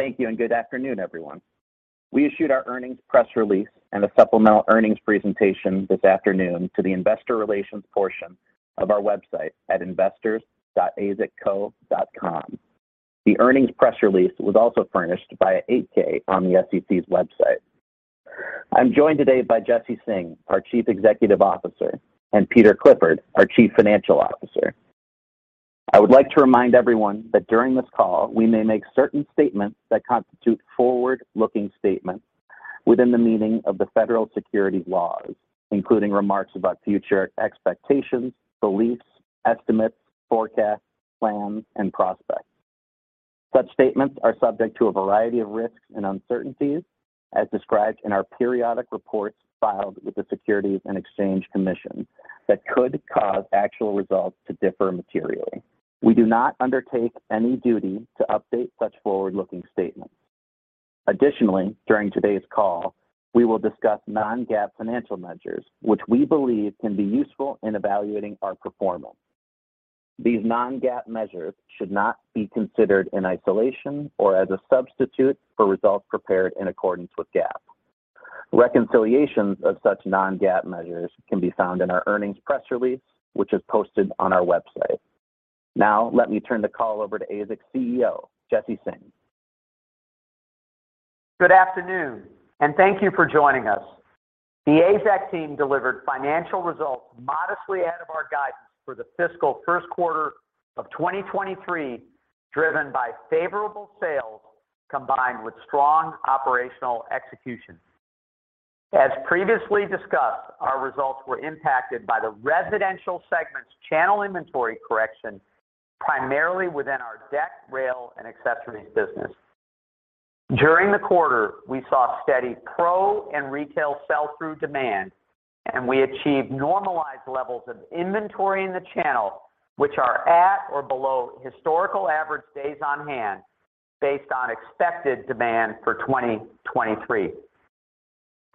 Thank you and good afternoon, everyone. We issued our earnings press release and a supplemental earnings presentation this afternoon to the investor relations portion of our website at investors.azekco.com. The earnings press release was also furnished by an 8-K on the SEC's website. I'm joined today by Jesse Singh, our Chief Executive Officer, and Peter Clifford, our Chief Financial Officer. I would like to remind everyone that during this call, we may make certain statements that constitute forward-looking statements within the meaning of the federal securities laws, including remarks about future expectations, beliefs, estimates, forecasts, plans, and prospects. Such statements are subject to a variety of risks and uncertainties as described in our periodic reports filed with the Securities and Exchange Commission that could cause actual results to differ materially. We do not undertake any duty to update such forward-looking statements. Additionally, during today's call, we will discuss non-GAAP financial measures, which we believe can be useful in evaluating our performance. These non-GAAP measures should not be considered in isolation or as a substitute for results prepared in accordance with GAAP. Reconciliations of such non-GAAP measures can be found in our earnings press release, which is posted on our website. Now, let me turn the call over to AZEK's CEO, Jesse Singh. Good afternoon. Thank you for joining us. The AZEK team delivered financial results modestly out of our guidance for the fiscal first quarter of 2023, driven by favorable sales combined with strong operational execution. As previously discussed, our results were impacted by the residential segment's channel inventory correction, primarily within our deck, rail, and accessories business. During the quarter, we saw steady pro and retail sell-through demand, and we achieved normalized levels of inventory in the channel, which are at or below historical average days on hand based on expected demand for 2023.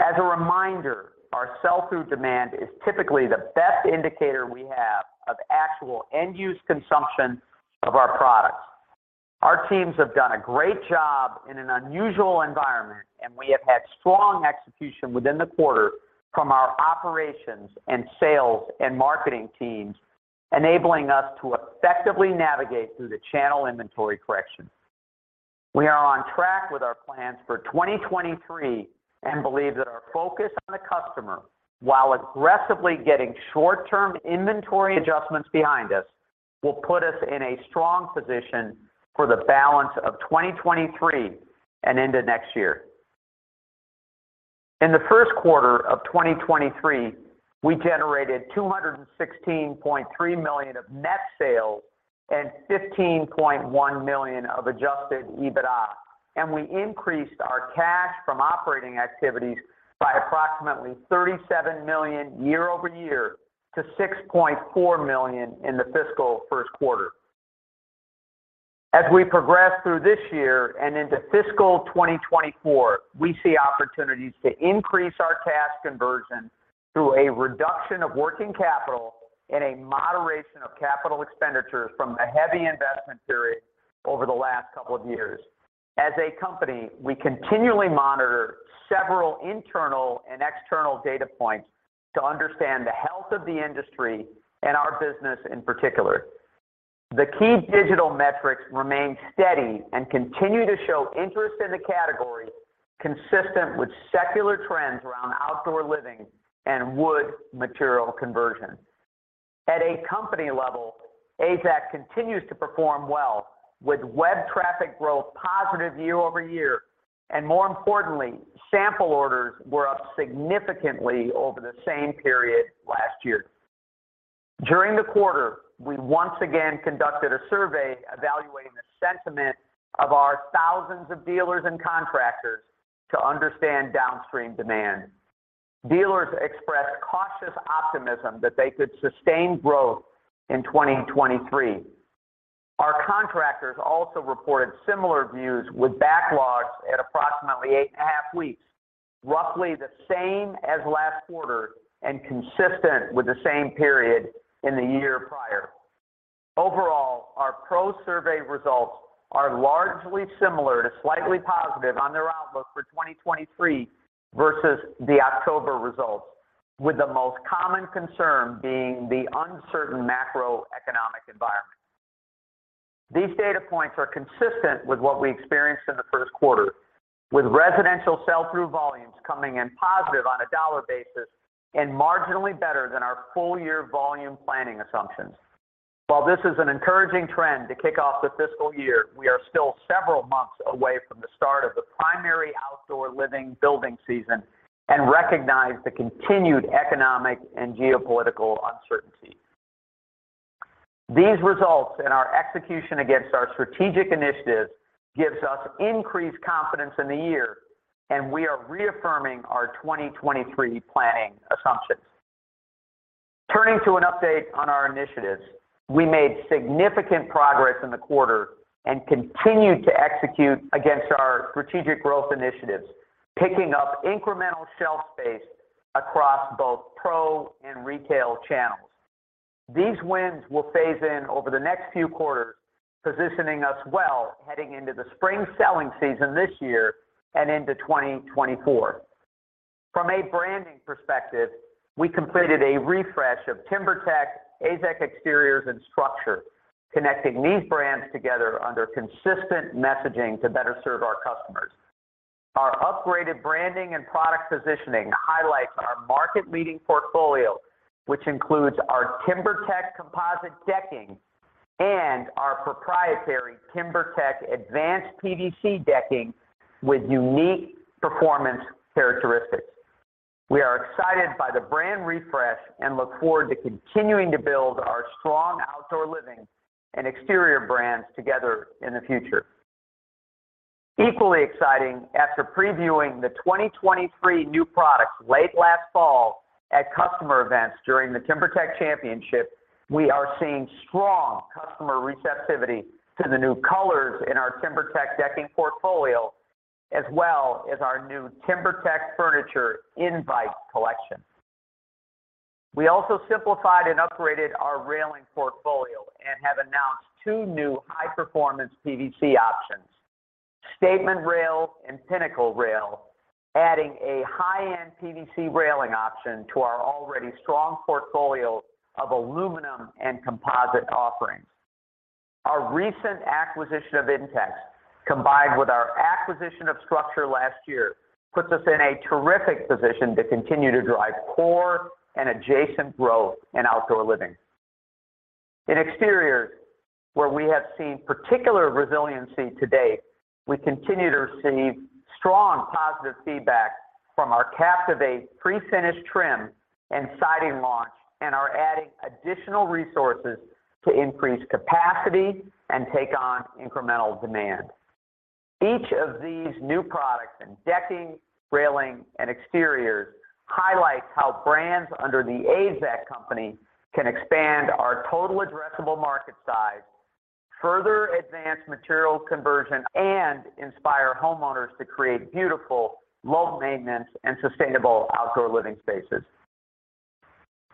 As a reminder, our sell-through demand is typically the best indicator we have of actual end-use consumption of our products. Our teams have done a great job in an unusual environment, and we have had strong execution within the quarter from our operations and sales and marketing teams, enabling us to effectively navigate through the channel inventory correction. We are on track with our plans for 2023 and believe that our focus on the customer while aggressively getting short-term inventory adjustments behind us will put us in a strong position for the balance of 2023 and into next year. In the first quarter of 2023, we generated $216.3 million of net sales and $15.1 million of Adjusted EBITDA. We increased our cash from operating activities by approximately $37 million year-over-year to $6.4 million in the fiscal first quarter. As we progress through this year and into fiscal 2024, we see opportunities to increase our cash conversion through a reduction of working capital and a moderation of capital expenditures from a heavy investment period over the last couple of years. As a company, we continually monitor several internal and external data points to understand the health of the industry and our business in particular. The key digital metrics remain steady and continue to show interest in the category consistent with secular trends around outdoor living and wood material conversion. At a company level, AZEK continues to perform well with web traffic growth positive year-over-year, and more importantly, sample orders were up significantly over the same period last year. During the quarter, we once again conducted a survey evaluating the sentiment of our thousands of dealers and contractors to understand downstream demand. Dealers expressed cautious optimism that they could sustain growth in 2023. Our contractors also reported similar views with backlogs at approximately 8.5 weeks, roughly the same as last quarter and consistent with the same period in the year prior. Overall, our pro survey results are largely similar to slightly positive on their outlook for 2023 versus the October results, with the most common concern being the uncertain macroeconomic environment. These data points are consistent with what we experienced in the first quarter, with residential sell-through volumes coming in positive on a dollar basis and marginally better than our full year volume planning assumptions. While this is an encouraging trend to kick off the fiscal year, we are still several months away from the start of the primary outdoor living building season and recognize the continued economic and geopolitical uncertainty. These results and our execution against our strategic initiatives gives us increased confidence in the year, and we are reaffirming our 2023 planning assumptions. Turning to an update on our initiatives, we made significant progress in the quarter and continued to execute against our strategic growth initiatives, picking up incremental shelf space across both pro and retail channels. These wins will phase in over the next few quarters, positioning us well heading into the spring selling season this year and into 2024. From a branding perspective, we completed a refresh of TimberTech, AZEK Exteriors, and StruXure, connecting these brands together under consistent messaging to better serve our customers. Our upgraded branding and product positioning highlights our market-leading portfolio, which includes our TimberTech composite decking and our proprietary TimberTech advanced PVC decking with unique performance characteristics. We are excited by the brand refresh and look forward to continuing to build our strong outdoor living and exterior brands together in the future. Equally exciting, after previewing the 2023 new products late last fall at customer events during the TimberTech Championship, we are seeing strong customer receptivity to the new colors in our TimberTech decking portfolio, as well as our new TimberTech furniture Invite Collection. We also simplified and upgraded our railing portfolio and have announced two new high-performance PVC options, Statement Rail and Pinnacle Rail, adding a high-end PVC railing option to our already strong portfolio of aluminum and composite offerings. Our recent acquisition of INTEX, combined with our acquisition of StruXure last year, puts us in a terrific position to continue to drive core and adjacent growth in outdoor living. In exteriors, where we have seen particular resiliency to date, we continue to receive strong positive feedback from our Captivate prefinished trim and siding launch and are adding additional resources to increase capacity and take on incremental demand. Each of these new products in decking, railing, and exteriors highlights how brands under The AZEK Company can expand our total addressable market size, further advance material conversion, and inspire homeowners to create beautiful, low-maintenance, and sustainable outdoor living spaces.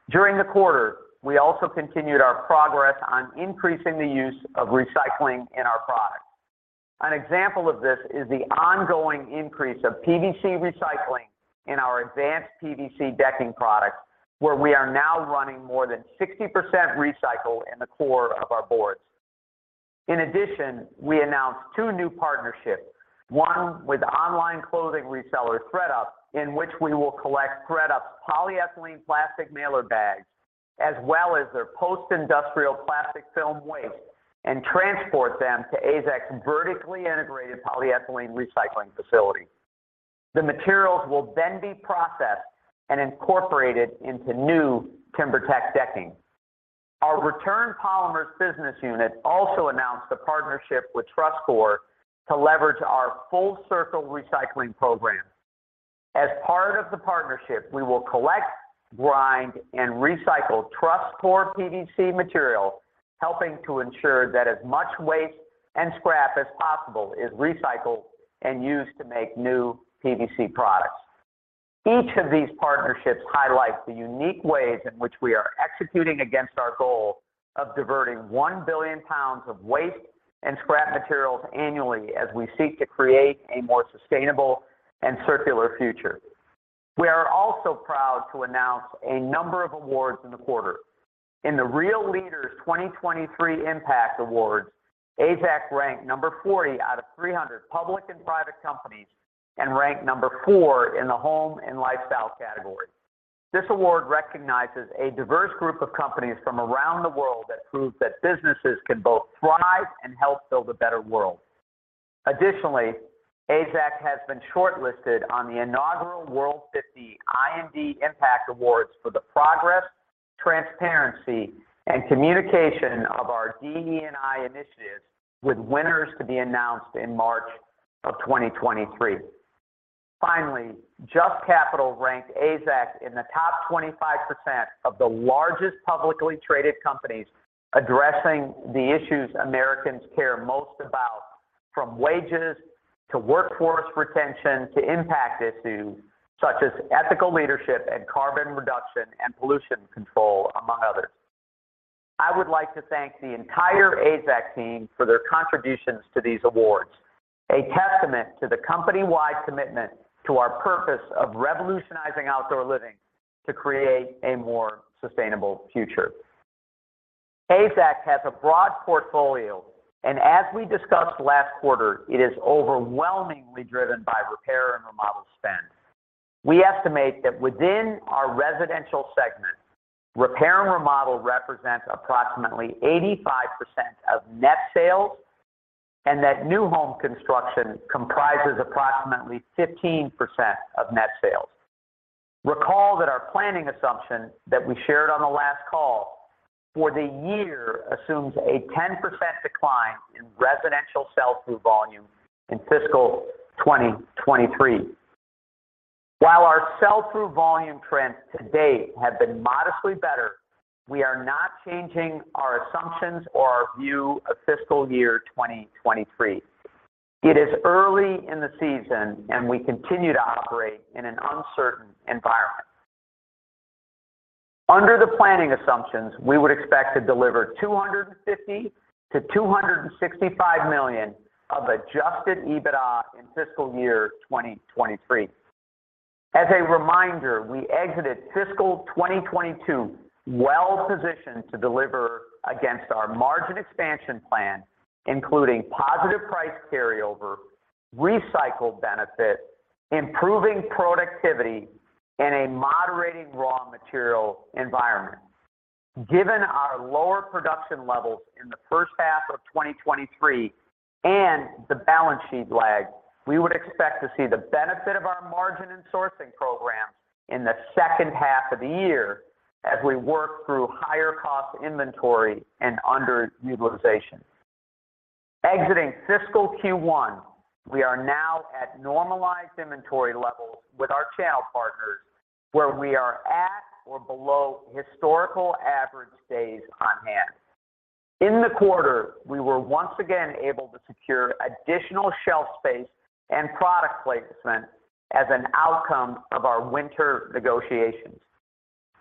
During the quarter, we also continued our progress on increasing the use of recycling in our products. An example of this is the ongoing increase of PVC recycling in our advanced PVC decking products, where we are now running more than 60% recycle in the core of our boards. In addition, we announced two new partnerships, one with online clothing reseller thredUP, in which we will collect thredUP's polyethylene plastic mailer bags as well as their post-industrial plastic film waste and transport them to AZEK's vertically integrated polyethylene recycling facility. The materials will be processed and incorporated into new TimberTech decking. Our Return Polymers business unit also announced a partnership with Trusscore to leverage our Full-Circle recycling program. As part of the partnership, we will collect, grind, and recycle Trusscore PVC material, helping to ensure that as much waste and scrap as possible is recycled and used to make new PVC products. Each of these partnerships highlights the unique ways in which we are executing against our goal of diverting 1 billion pounds of waste and scrap materials annually as we seek to create a more sustainable and circular future. We are also proud to announce a number of awards in the quarter. In the Real Leaders 2023 Impact Awards, AZEK ranked number 40 out of 300 public and private companies and ranked number 4 in the home and lifestyle category. This award recognizes a diverse group of companies from around the world that prove that businesses can both thrive and help build a better world. AZEK has been shortlisted on the inaugural World 50 I&D Impact Awards for the progress, transparency, and communication of our DE&I initiatives, with winners to be announced in March of 2023. JUST Capital ranked AZEK in the top 25% of the largest publicly traded companies addressing the issues Americans care most about, from wages to workforce retention to impact issues such as ethical leadership and carbon reduction and pollution control, among others. I would like to thank the entire AZEK team for their contributions to these awards, a testament to the company-wide commitment to our purpose of revolutionizing outdoor living to create a more sustainable future. AZEK has a broad portfolio, and as we discussed last quarter, it is overwhelmingly driven by repair and remodel spend. We estimate that within our residential segment, repair and remodel represents approximately 85% of net sales and that new home construction comprises approximately 15% of net sales. Recall that our planning assumption that we shared on the last call for the year assumes a 10% decline in residential sell-through volume in fiscal 2023. While our sell-through volume trends to date have been modestly better, we are not changing our assumptions or our view of fiscal year 2023. It is early in the season, and we continue to operate in an uncertain environment. Under the planning assumptions, we would expect to deliver $250 million-$265 million of Adjusted EBITDA in fiscal year 2023. As a reminder, we exited fiscal 2022 well-positioned to deliver against our margin expansion plan, including positive price carryover, recycle benefit, improving productivity, and a moderating raw material environment. Given our lower production levels in the first half of 2023 and the balance sheet lag, we would expect to see the benefit of our margin and sourcing programs in the second half of the year as we work through higher cost inventory and underutilization. Exiting fiscal Q1, we are now at normalized inventory levels with our channel partners where we are at or below historical average days on hand. In the quarter, we were once again able to secure additional shelf space and product placement as an outcome of our winter negotiations.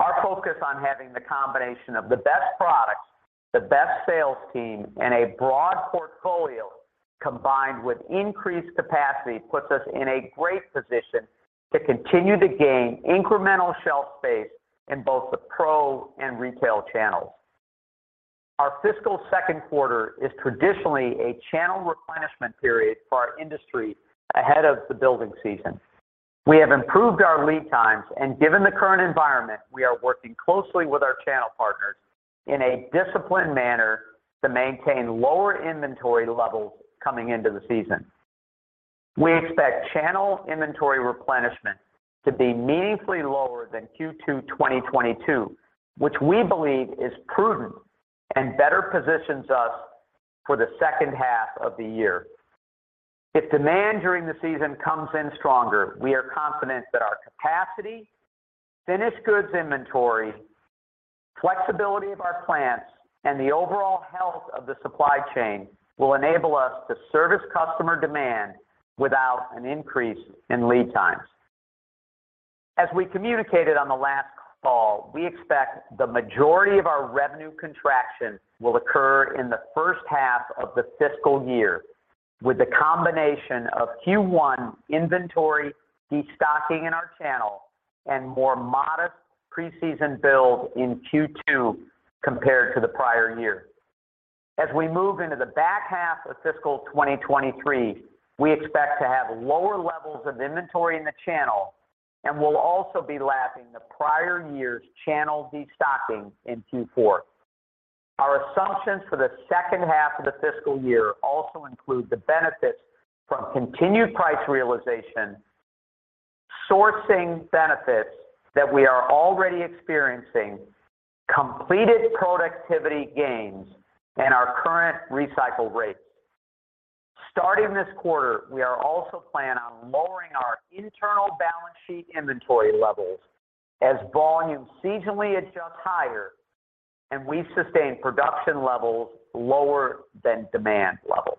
Our focus on having the combination of the best products, the best sales team, and a broad portfolio combined with increased capacity puts us in a great position to continue to gain incremental shelf space in both the pro and retail channels. Our fiscal second quarter is traditionally a channel replenishment period for our industry ahead of the building season. We have improved our lead times, and given the current environment, we are working closely with our channel partners in a disciplined manner to maintain lower inventory levels coming into the season. We expect channel inventory replenishment to be meaningfully lower than Q2 2022, which we believe is prudent and better positions us for the second half of the year. If demand during the season comes in stronger, we are confident that our capacity, finished goods inventory, flexibility of our plants, and the overall health of the supply chain will enable us to service customer demand without an increase in lead times. As we communicated on the last call, we expect the majority of our revenue contraction will occur in the first half of the fiscal year with the combination of Q1 inventory, destocking in our channel, and more modest preseason build in Q2 compared to the prior year. As we move into the back half of fiscal 2023, we expect to have lower levels of inventory in the channel and will also be lapping the prior year's channel destocking in Q4. Our assumptions for the second half of the fiscal year also include the benefits from continued price realization, sourcing benefits that we are already experiencing, completed productivity gains, and our current recycle rates. Starting this quarter, we are also planning on lowering our internal balance sheet inventory levels as volumes seasonally adjust higher and we sustain production levels lower than demand levels.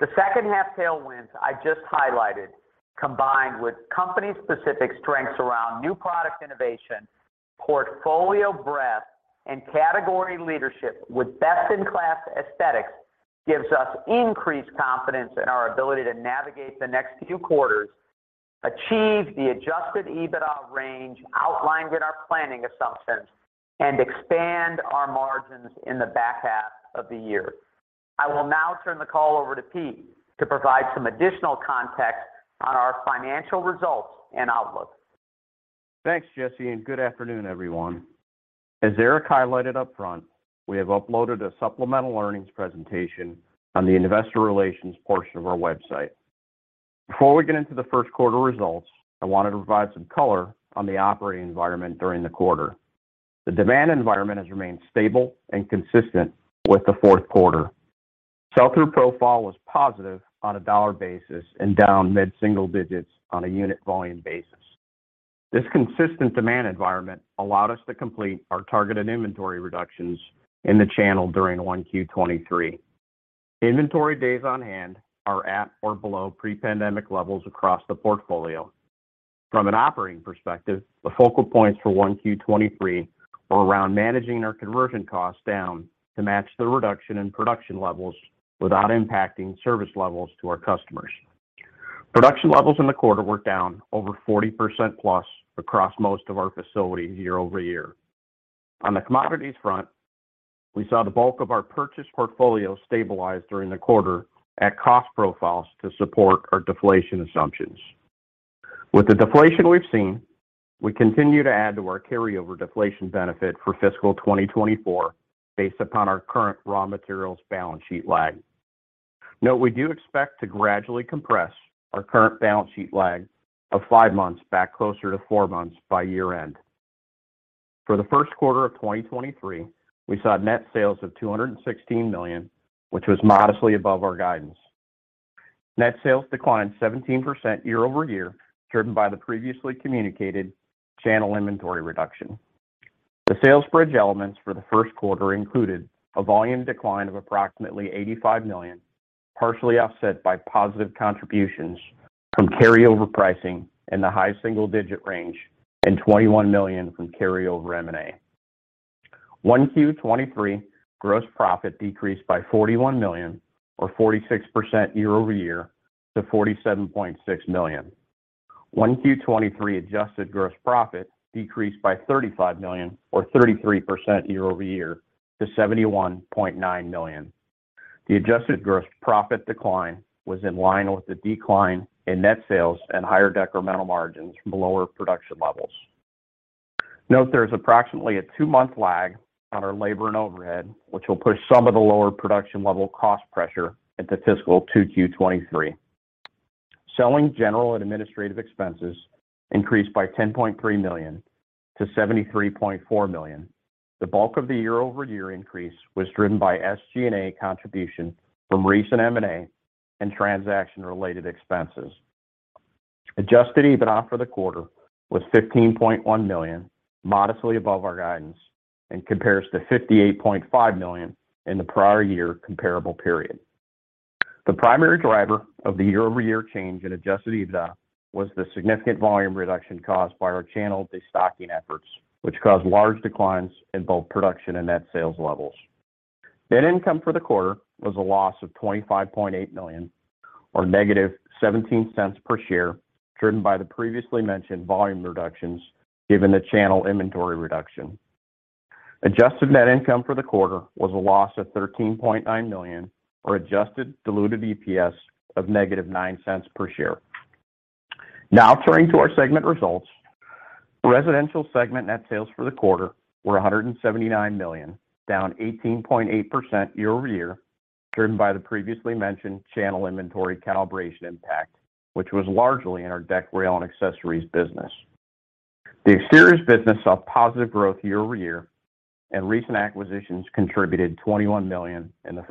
The second half tailwinds I just highlighted combined with company-specific strengths around new product innovation, portfolio breadth, and category leadership with best-in-class aesthetics gives us increased confidence in our ability to navigate the next few quarters, achieve the Adjusted EBITDA range outlined in our planning assumptions, and expand our margins in the back half of the year. I will now turn the call over to Pete to provide some additional context on our financial results and outlook. Thanks, Jesse. Good afternoon, everyone. As Eric highlighted up front, we have uploaded a supplemental earnings presentation on the investor relations portion of our website. Before we get into the first quarter results, I wanted to provide some color on the operating environment during the quarter. The demand environment has remained stable and consistent with the fourth quarter. Sell-through profile was positive on a dollar basis and down mid-single digits on a unit volume basis. This consistent demand environment allowed us to complete our targeted inventory reductions in the channel during 1Q23. Inventory days on hand are at or below pre-pandemic levels across the portfolio. From an operating perspective, the focal points for 1Q23 were around managing our conversion costs down to match the reduction in production levels without impacting service levels to our customers. Production levels in the quarter were down over 40%+ across most of our facilities year-over-year. On the commodities front, we saw the bulk of our purchase portfolio stabilize during the quarter at cost profiles to support our deflation assumptions. With the deflation we've seen, we continue to add to our carryover deflation benefit for fiscal 2024 based upon our current raw materials balance sheet lag. Note we do expect to gradually compress our current balance sheet lag of 5 months back closer to 4 months by year-end. For the first quarter of 2023, we saw net sales of $216 million, which was modestly above our guidance. Net sales declined 17% year-over-year, driven by the previously communicated channel inventory reduction. The sales bridge elements for the first quarter included a volume decline of approximately $85 million, partially offset by positive contributions from carryover pricing in the high single-digit range and $21 million from carryover M&A. 1Q23 gross profit decreased by $41 million or 46% year-over-year to $47.6 million. 1Q23 Adjusted gross profit decreased by $35 million or 33% year-over-year to $71.9 million. The Adjusted gross profit decline was in line with the decline in net sales and higher decremental margins from lower production levels. Note there is approximately a 2-month lag on our labor and overhead, which will push some of the lower production level cost pressure into fiscal 2Q23. Selling general and administrative expenses increased by $10.3 million to $73.4 million. The bulk of the year-over-year increase was driven by SG&A contribution from recent M&A and transaction-related expenses. Adjusted EBITDA for the quarter was $15.1 million, modestly above our guidance, and compares to $58.5 million in the prior year comparable period. The primary driver of the year-over-year change in Adjusted EBITDA was the significant volume reduction caused by our channel destocking efforts, which caused large declines in both production and net sales levels. Net income for the quarter was a loss of $25.8 million or -$0.17 per share, driven by the previously mentioned volume reductions given the channel inventory reduction. Adjusted net income for the quarter was a loss of $13.9 million or adjusted diluted EPS of -$0.09 per share. Now turning to our segment results. Residential segment net sales for the quarter were $179 million, down 18.8% year-over-year, driven by the previously mentioned channel inventory calibration impact, which was largely in our deck, rail, and accessories business. The Exteriors business saw positive growth year-over-year. Recent acquisitions contributed $21 million in the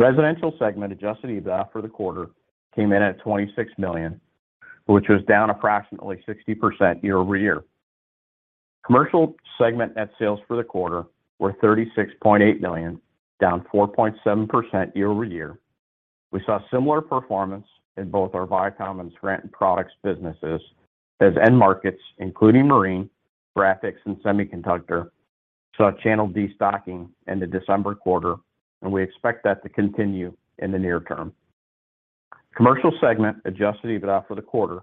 first quarter. Residential segment Adjusted EBITDA for the quarter came in at $26 million, which was down approximately 60% year-over-year. Commercial segment net sales for the quarter were $36.8 million, down 4.7% year-over-year. We saw similar performance in both our Vycom and Scranton Products businesses as end markets, including marine, graphics, and semiconductor, saw channel destocking in the December quarter. We expect that to continue in the near term. Commercial segment Adjusted EBITDA for the quarter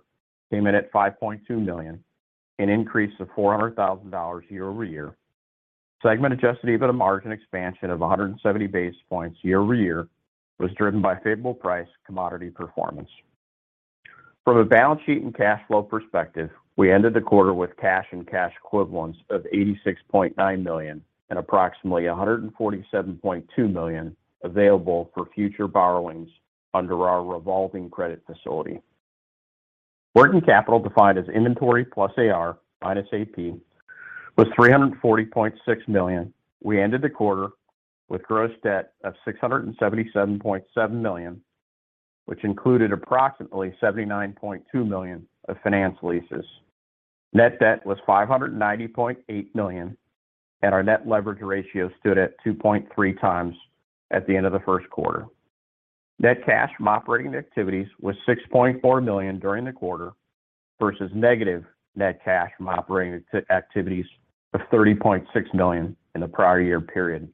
came in at $5.2 million, an increase of $400,000 year-over-year. Segment Adjusted EBITDA margin expansion of 170 basis points year-over-year was driven by favorable price commodity performance. From a balance sheet and cash flow perspective, we ended the quarter with cash and cash equivalents of $86.9 million and approximately $147.2 million available for future borrowings under our revolving credit facility. Working capital defined as inventory plus AR minus AP was $340.6 million. We ended the quarter with gross debt of $677.7 million, which included approximately $79.2 million of finance leases. Net debt was $590.8 million. Our net leverage ratio stood at 2.3 times at the end of the first quarter. Net cash from operating activities was $6.4 million during the quarter versus negative net cash from operating activities of $30.6 million in the prior year period.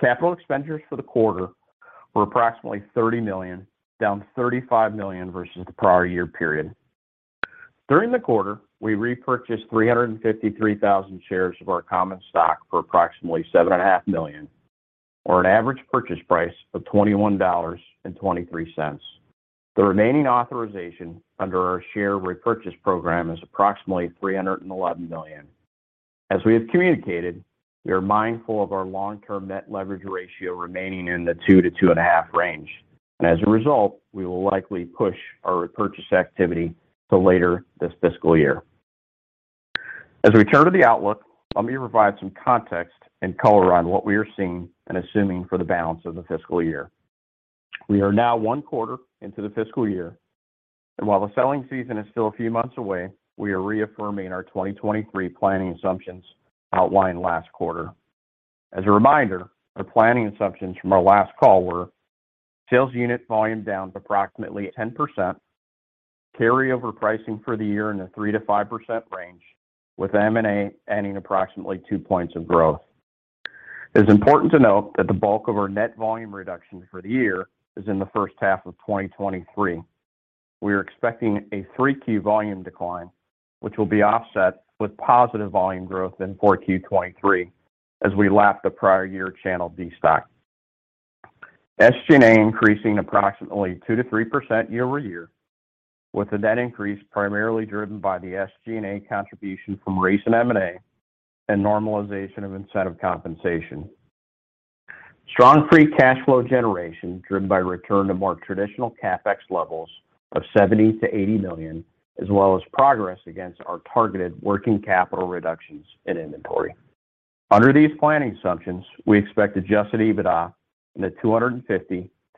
Capital expenditures for the quarter were approximately $30 million, down $35 million versus the prior year period. During the quarter, we repurchased 353,000 shares of our common stock for approximately seven and a half million, or an average purchase price of $21.23. The remaining authorization under our share repurchase program is approximately $311 million. As we have communicated, we are mindful of our long-term net leverage ratio remaining in the 2 to 2.5 range. As a result, we will likely push our repurchase activity to later this fiscal year. As we turn to the outlook, let me provide some context and color on what we are seeing and assuming for the balance of the fiscal year. We are now one quarter into the fiscal year, and while the selling season is still a few months away, we are reaffirming our 2023 planning assumptions outlined last quarter. As a reminder, our planning assumptions from our last call were sales unit volume down approximately 10%, carryover pricing for the year in the 3%-5% range, with M&A adding approximately 2 points of growth. It is important to note that the bulk of our net volume reduction for the year is in the first half of 2023. We are expecting a 3% volume decline, which will be offset with positive volume growth in 4Q23 as we lap the prior-year channel destock. SG&A increasing approximately 2%-3% year-over-year, with the net increase primarily driven by the SG&A contribution from recent M&A and normalization of incentive compensation. Strong free cash flow generation driven by return to more traditional CapEx levels of $70 million-$80 million, as well as progress against our targeted working capital reductions in inventory. Under these planning assumptions, we expect Adjusted EBITDA in the $250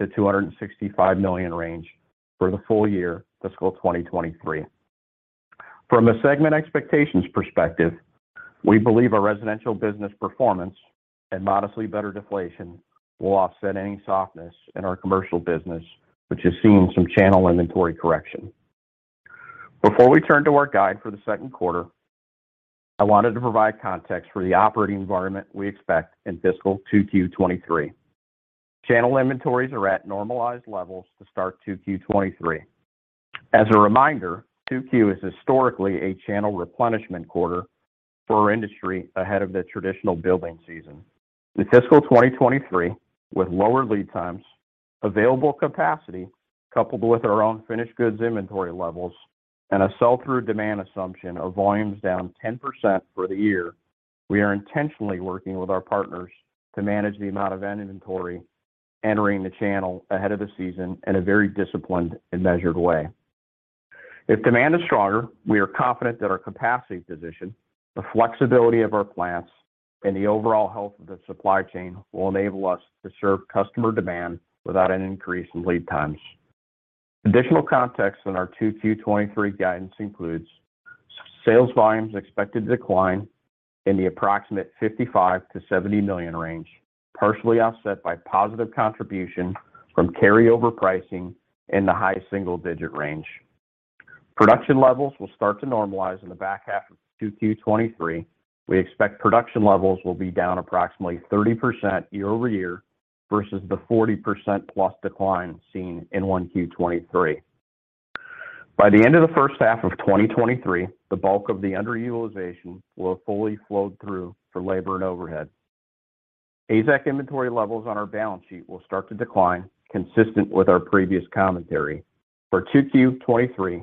million-$265 million range for the full year fiscal 2023. From a segment expectations perspective, we believe our residential business performance and modestly better deflation will offset any softness in our commercial business, which has seen some channel inventory correction. Before we turn to our guide for the second quarter, I wanted to provide context for the operating environment we expect in fiscal 2Q 2023. Channel inventories are at normalized levels to start 2Q 2023. As a reminder, 2Q is historically a channel replenishment quarter for our industry ahead of the traditional building season. In fiscal 2023, with lower lead times, available capacity, coupled with our own finished goods inventory levels, and a sell-through demand assumption of volumes down 10% for the year. We are intentionally working with our partners to manage the amount of end inventory entering the channel ahead of the season in a very disciplined and measured way. If demand is stronger, we are confident that our capacity position, the flexibility of our plants, and the overall health of the supply chain will enable us to serve customer demand without an increase in lead times. Additional context in our 2Q 2023 guidance includes: sales volumes expected to decline in the approximate $55 million-$70 million range, partially offset by positive contribution from carryover pricing in the high single-digit range. Production levels will start to normalize in the back half of 2Q 2023. We expect production levels will be down approximately 30% year-over-year versus the 40%+ decline seen in 1Q 2023. By the end of the first half of 2023, the bulk of the underutilization will have fully flowed through for labor and overhead. AZEK inventory levels on our balance sheet will start to decline consistent with our previous commentary. For 2Q 2023,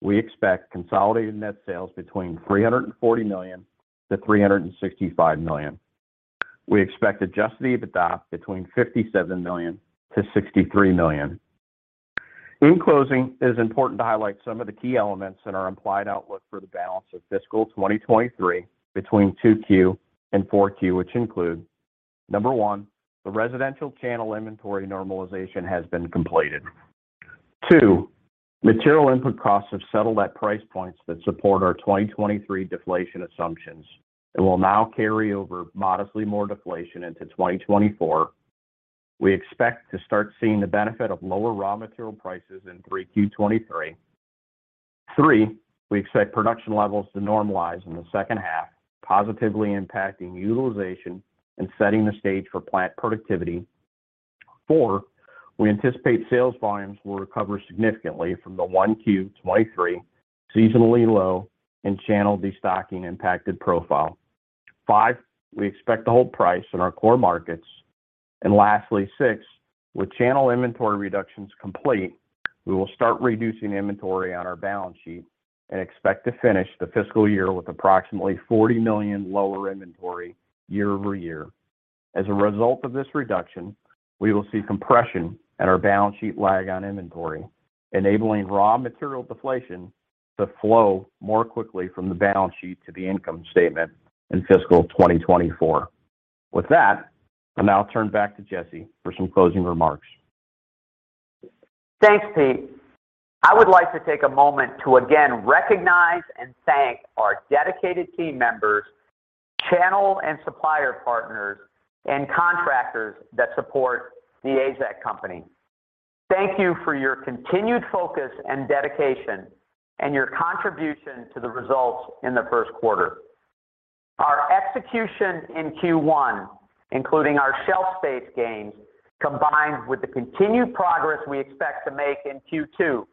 we expect consolidated net sales between $340 million to $365 million. We expect Adjusted EBITDA between $57 million to $63 million. In closing, it is important to highlight some of the key elements in our implied outlook for the balance of fiscal 2023 between 2Q and 4Q, which include: number one, the residential channel inventory normalization has been completed. Two, material input costs have settled at price points that support our 2023 deflation assumptions and will now carry over modestly more deflation into 2024. We expect to start seeing the benefit of lower raw material prices in 3Q 2023. Three, we expect production levels to normalize in the second half, positively impacting utilization and setting the stage for plant productivity. Four. We anticipate sales volumes will recover significantly from the 1Q 2023 seasonally low and channel destocking impacted profile. Five. We expect to hold price in our core markets. Lastly, six, with channel inventory reductions complete, we will start reducing inventory on our balance sheet and expect to finish the fiscal year with approximately $40 million lower inventory year-over-year. As a result of this reduction, we will see compression at our balance sheet lag on inventory, enabling raw material deflation to flow more quickly from the balance sheet to the income statement in fiscal 2024. With that, I'll now turn back to Jesse for some closing remarks. Thanks, Pete. I would like to take a moment to again recognize and thank our dedicated team members, channel and supplier partners, and contractors that support The AZEK Company. Thank you for your continued focus and dedication and your contribution to the results in the first quarter. Our execution in Q1, including our shelf space gains, combined with the continued progress we expect to make in Q2,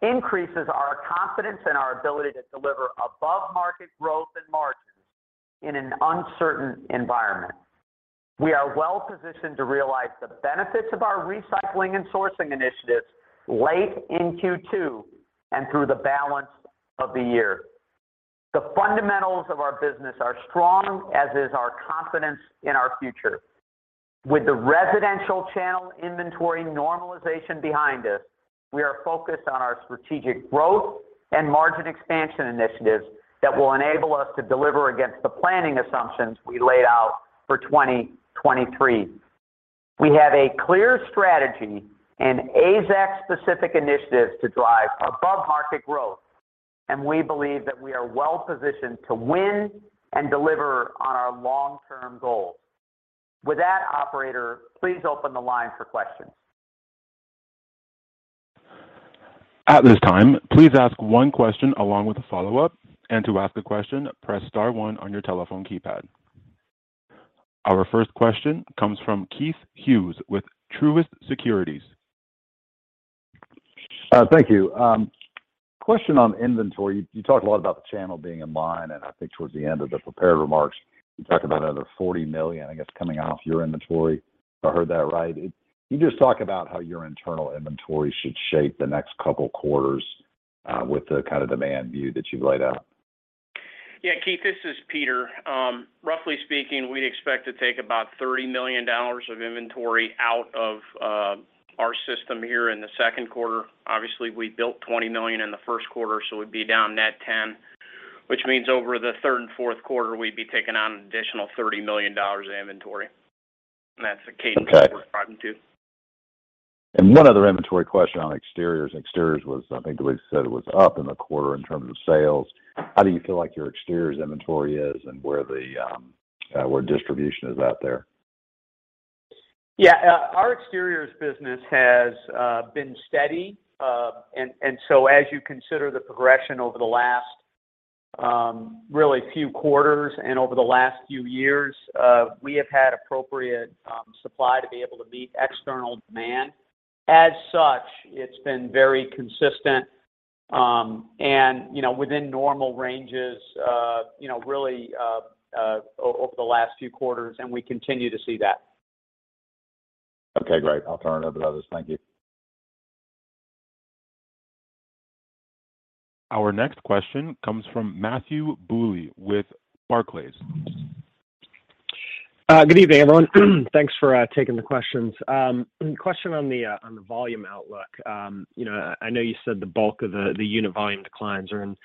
increases our confidence in our ability to deliver above-market growth and margins in an uncertain environment. We are well-positioned to realize the benefits of our recycling and sourcing initiatives late in Q2 and through the balance of the year. The fundamentals of our business are strong, as is our confidence in our future. With the residential channel inventory normalization behind us, we are focused on our strategic growth and margin expansion initiatives that will enable us to deliver against the planning assumptions we laid out for 2023. We have a clear strategy and AZEK specific initiatives to drive above-market growth, and we believe that we are well-positioned to win and deliver on our long-term goals. With that, operator, please open the line for questions. At this time, please ask one question along with a follow-up. To ask a question, press star one on your telephone keypad. Our first question comes from Keith Hughes with Truist Securities. Thank you. Question on inventory. You talked a lot about the channel being in line, and I think towards the end of the prepared remarks, you talked about another $40 million, I guess, coming off your inventory, if I heard that right. Can you just talk about how your internal inventory should shape the next couple quarters with the kind of demand view that you've laid out? Keith, this is Peter. Roughly speaking, we expect to take about $30 million of inventory out of, our System here in the second quarter. Obviously, we built $20 million in the first quarter, so we'd be down net $10 million, which means over the third and fourth quarter, we'd be taking on an additional $30 million of inventory. That's the case. Okay... we're striving to. One other inventory question on Exteriors. Exteriors was, I think that we said it was up in the quarter in terms of sales. How do you feel like your Exteriors inventory is and where distribution is at there? Yeah. Our exteriors business has been steady. As you consider the progression over the last really few quarters and over the last few years, we have had appropriate supply to be able to meet external demand. As such, it's been very consistent, and, you know, within normal ranges, you know, really over the last few quarters, and we continue to see that. Okay, great. I'll turn it over to others. Thank you. Our next question comes from Matthew Bouley with Barclays. Good evening, everyone. Thanks for taking the questions. Question on the volume outlook. You know, I know you said the bulk of the unit volume declines are in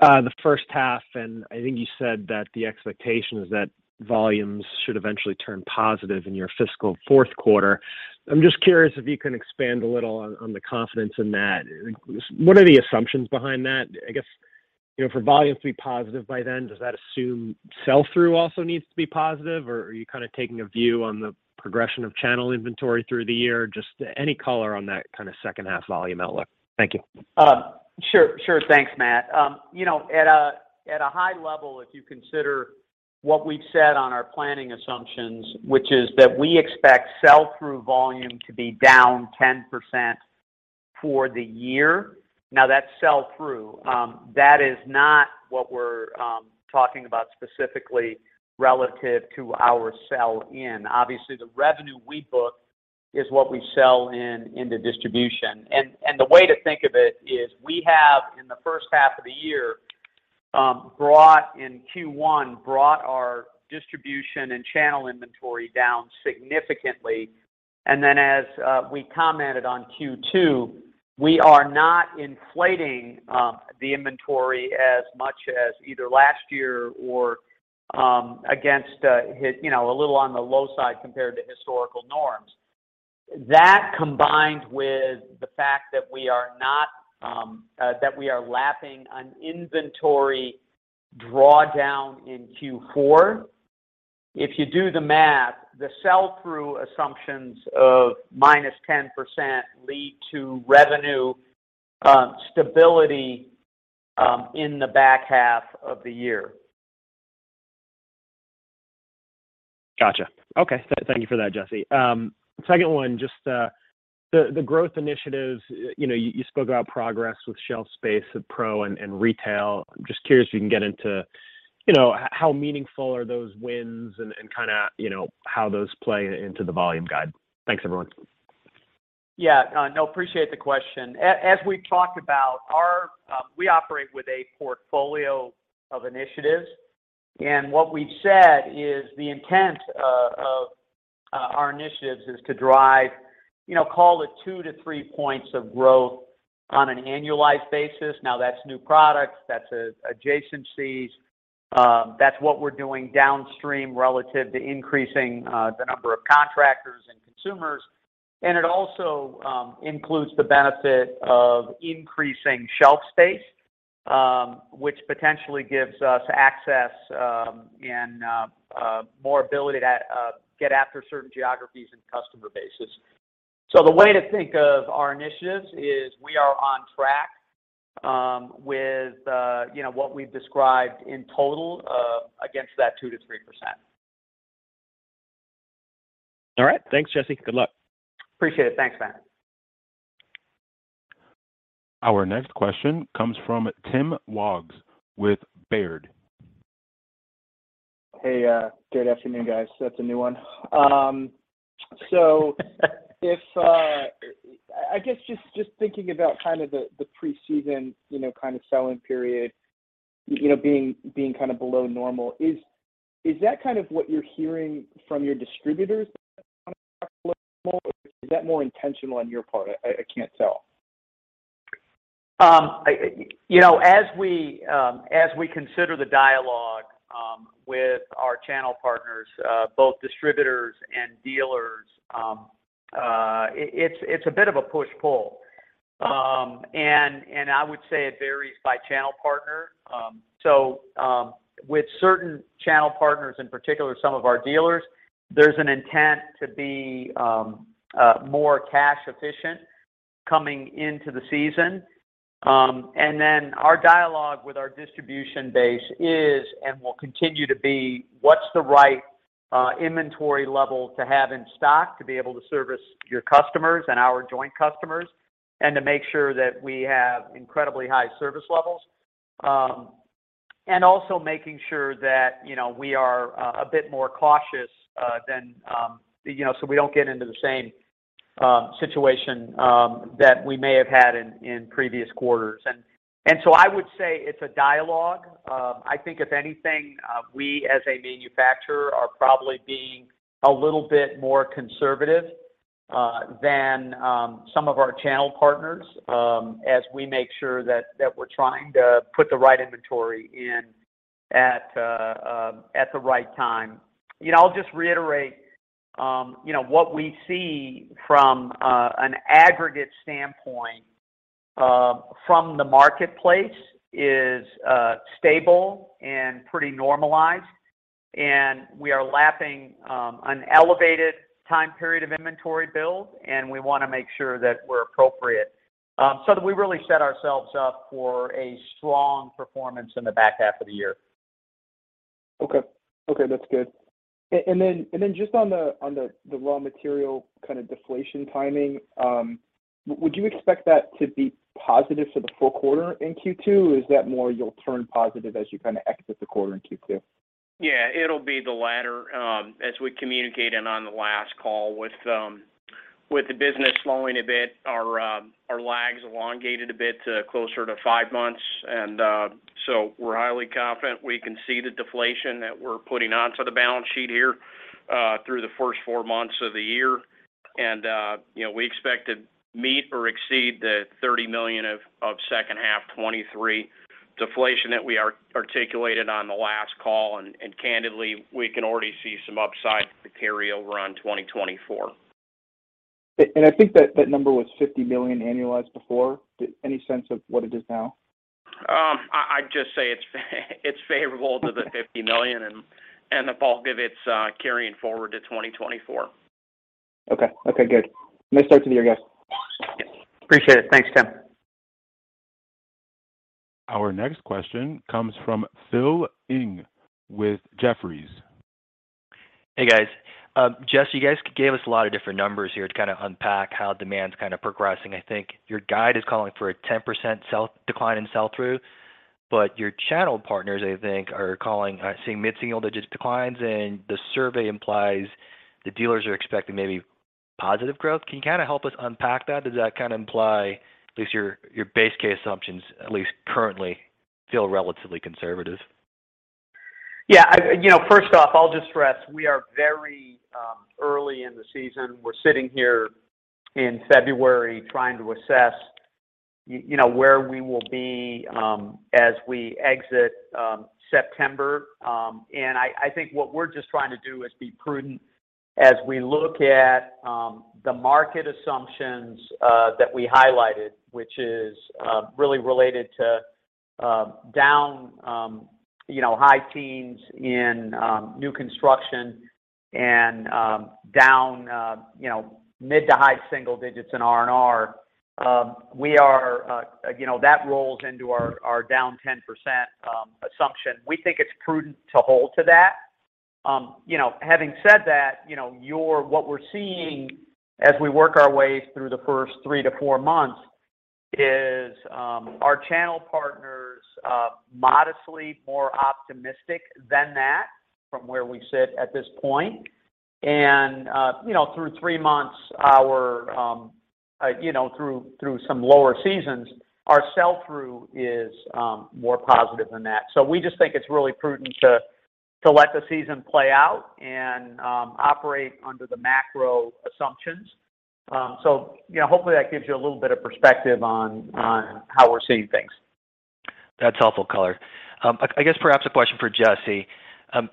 the first half, and I think you said that the expectation is that volumes should eventually turn positive in your fiscal fourth quarter. I'm just curious if you can expand a little on the confidence in that? What are the assumptions behind that? I guess, you know, for volume to be positive by then, does that assume sell-through also needs to be positive, or are you kind of taking a view on the progression of channel inventory through the year? Just any color on that kind of second half volume outlook? Thank you. Sure. Sure. Thanks, Matt. You know, at a high level, if you consider what we've said on our planning assumptions, which is that we expect sell-through volume to be down 10% for the year. Now, that's sell-through. That is not what we're talking about specifically relative to our sell-in. Obviously, the revenue we book is what we sell in into distribution. The way to think of it is we have, in the first half of the year, brought in Q1, brought our distribution and channel inventory down significantly. Then as we commented on Q2, we are not inflating the inventory as much as either last year or against, you know, a little on the low side compared to historical norms. That combined with the fact that we are not that we are lapping an inventory drawdown in Q4. If you do the math, the sell-through assumptions of minus 10% lead to revenue stability in the back half of the year. Gotcha. Okay. Thank you for that, Jesse. Second one, just, the growth initiatives. You know, you spoke about progress with shelf space with pro and retail. I'm just curious if you can get into, you know, how meaningful are those wins and kinda, you know, how those play into the volume guide. Thanks, everyone. Yeah. No, appreciate the question. As we've talked about our, we operate with a portfolio of initiatives. What we've said is the intent of our initiatives is to drive, you know, call it two-three points of growth on an annualized basis. That's new products, that's adjacencies, that's what we're doing downstream relative to increasing the number of contractors and consumers. It also includes the benefit of increasing shelf space, which potentially gives us access, and more ability to get after certain geographies and customer bases. The way to think of our initiatives is we are on track with, you know, what we've described in total, against that 2-3%. All right. Thanks, Jesse. Good luck. Appreciate it. Thanks, Matt. Our next question comes from Tim Wojs with Baird. Hey, good afternoon, guys. That's a new one. If, I guess just thinking about kind of the preseason, you know, kind of selling period, you know, being kind of below normal, is that kind of what you're hearing from your distributors or is that more intentional on your part? I can't tell. I, you know, as we, as we consider the dialogue, with our channel partners, both distributors and dealers, it's a bit of a push-pull. I would say it varies by channel partner. With certain channel partners, in particular, some of our dealers, there's an intent to be more cash efficient coming into the season. Our dialogue with our distribution base is, and will continue to be, what's the right inventory level to have in stock to be able to service your customers and our joint customers, and to make sure that we have incredibly high service levels. And also making sure that, you know, we are a bit more cautious than, you know, so we don't get into the same situation that we may have had in previous quarters. I would say it's a dialogue. I think if anything, we as a manufacturer are probably being a little bit more conservative than some of our channel partners as we make sure that we're trying to put the right inventory in at the right time. You know, I'll just reiterate, you know, what we see from an aggregate standpoint, from the marketplace is stable and pretty normalized, and we are lapping an elevated time period of inventory build, and we wanna make sure that we're appropriate, so that we really set ourselves up for a strong performance in the back half of the year. Okay. Okay, that's good. Just on the raw material kinda deflation timing, would you expect that to be positive for the full quarter in Q2? Is that more you'll turn positive as you kinda exit the quarter in Q2? Yeah. It'll be the latter, as we communicated on the last call with the business slowing a bit, our lags elongated a bit to closer to five months. We're highly confident we can see the deflation that we're putting onto the balance sheet here through the first four months of the year. you know, we expect to meet or exceed the $30 million of second half 2023 deflation that we articulated on the last call. candidly, we can already see some upside to carry over on 2024. I think that number was $50 million annualized before. Any sense of what it is now? I'd just say it's favorable to the $50 million and the bulk of it's carrying forward to 2024. Okay. Okay, good. Nice start to the year, guys. Appreciate it. Thanks, Tim. Our next question comes from Phil Ng with Jefferies. Hey, guys. Jess, you guys gave us a lot of different numbers here to kind of unpack how demand's kind of progressing. I think your guide is calling for a 10% decline in sell-through, but your channel partners, I think, are seeing mid-single-digit declines, and the survey implies the dealers are expecting maybe positive growth. Can you kind of help us unpack that? Does that kinda imply at least your base case assumptions, at least currently feel relatively conservative? Yeah. You know, first off, I'll just stress we are very early in the season. We're sitting here in February trying to assess, you know, where we will be as we exit September. I think what we're just trying to do is be prudent as we look at the market assumptions that we highlighted, which is really related to down, you know, high teens in new construction and down, you know, mid to high single digits in R&R. We are, you know, that rolls into our down 10% assumption. We think it's prudent to hold to that. You know, having said that, you know, what we're seeing as we work our way through the first three to four months is our channel partners modestly more optimistic than that from where we sit at this point. You know, through three months, our, you know, through some lower seasons, our sell-through is more positive than that. We just think it's really prudent to let the season play out and operate under the macro assumptions. You know, hopefully, that gives you a little bit of perspective on how we're seeing things. That's helpful color. I guess perhaps a question for Jesse.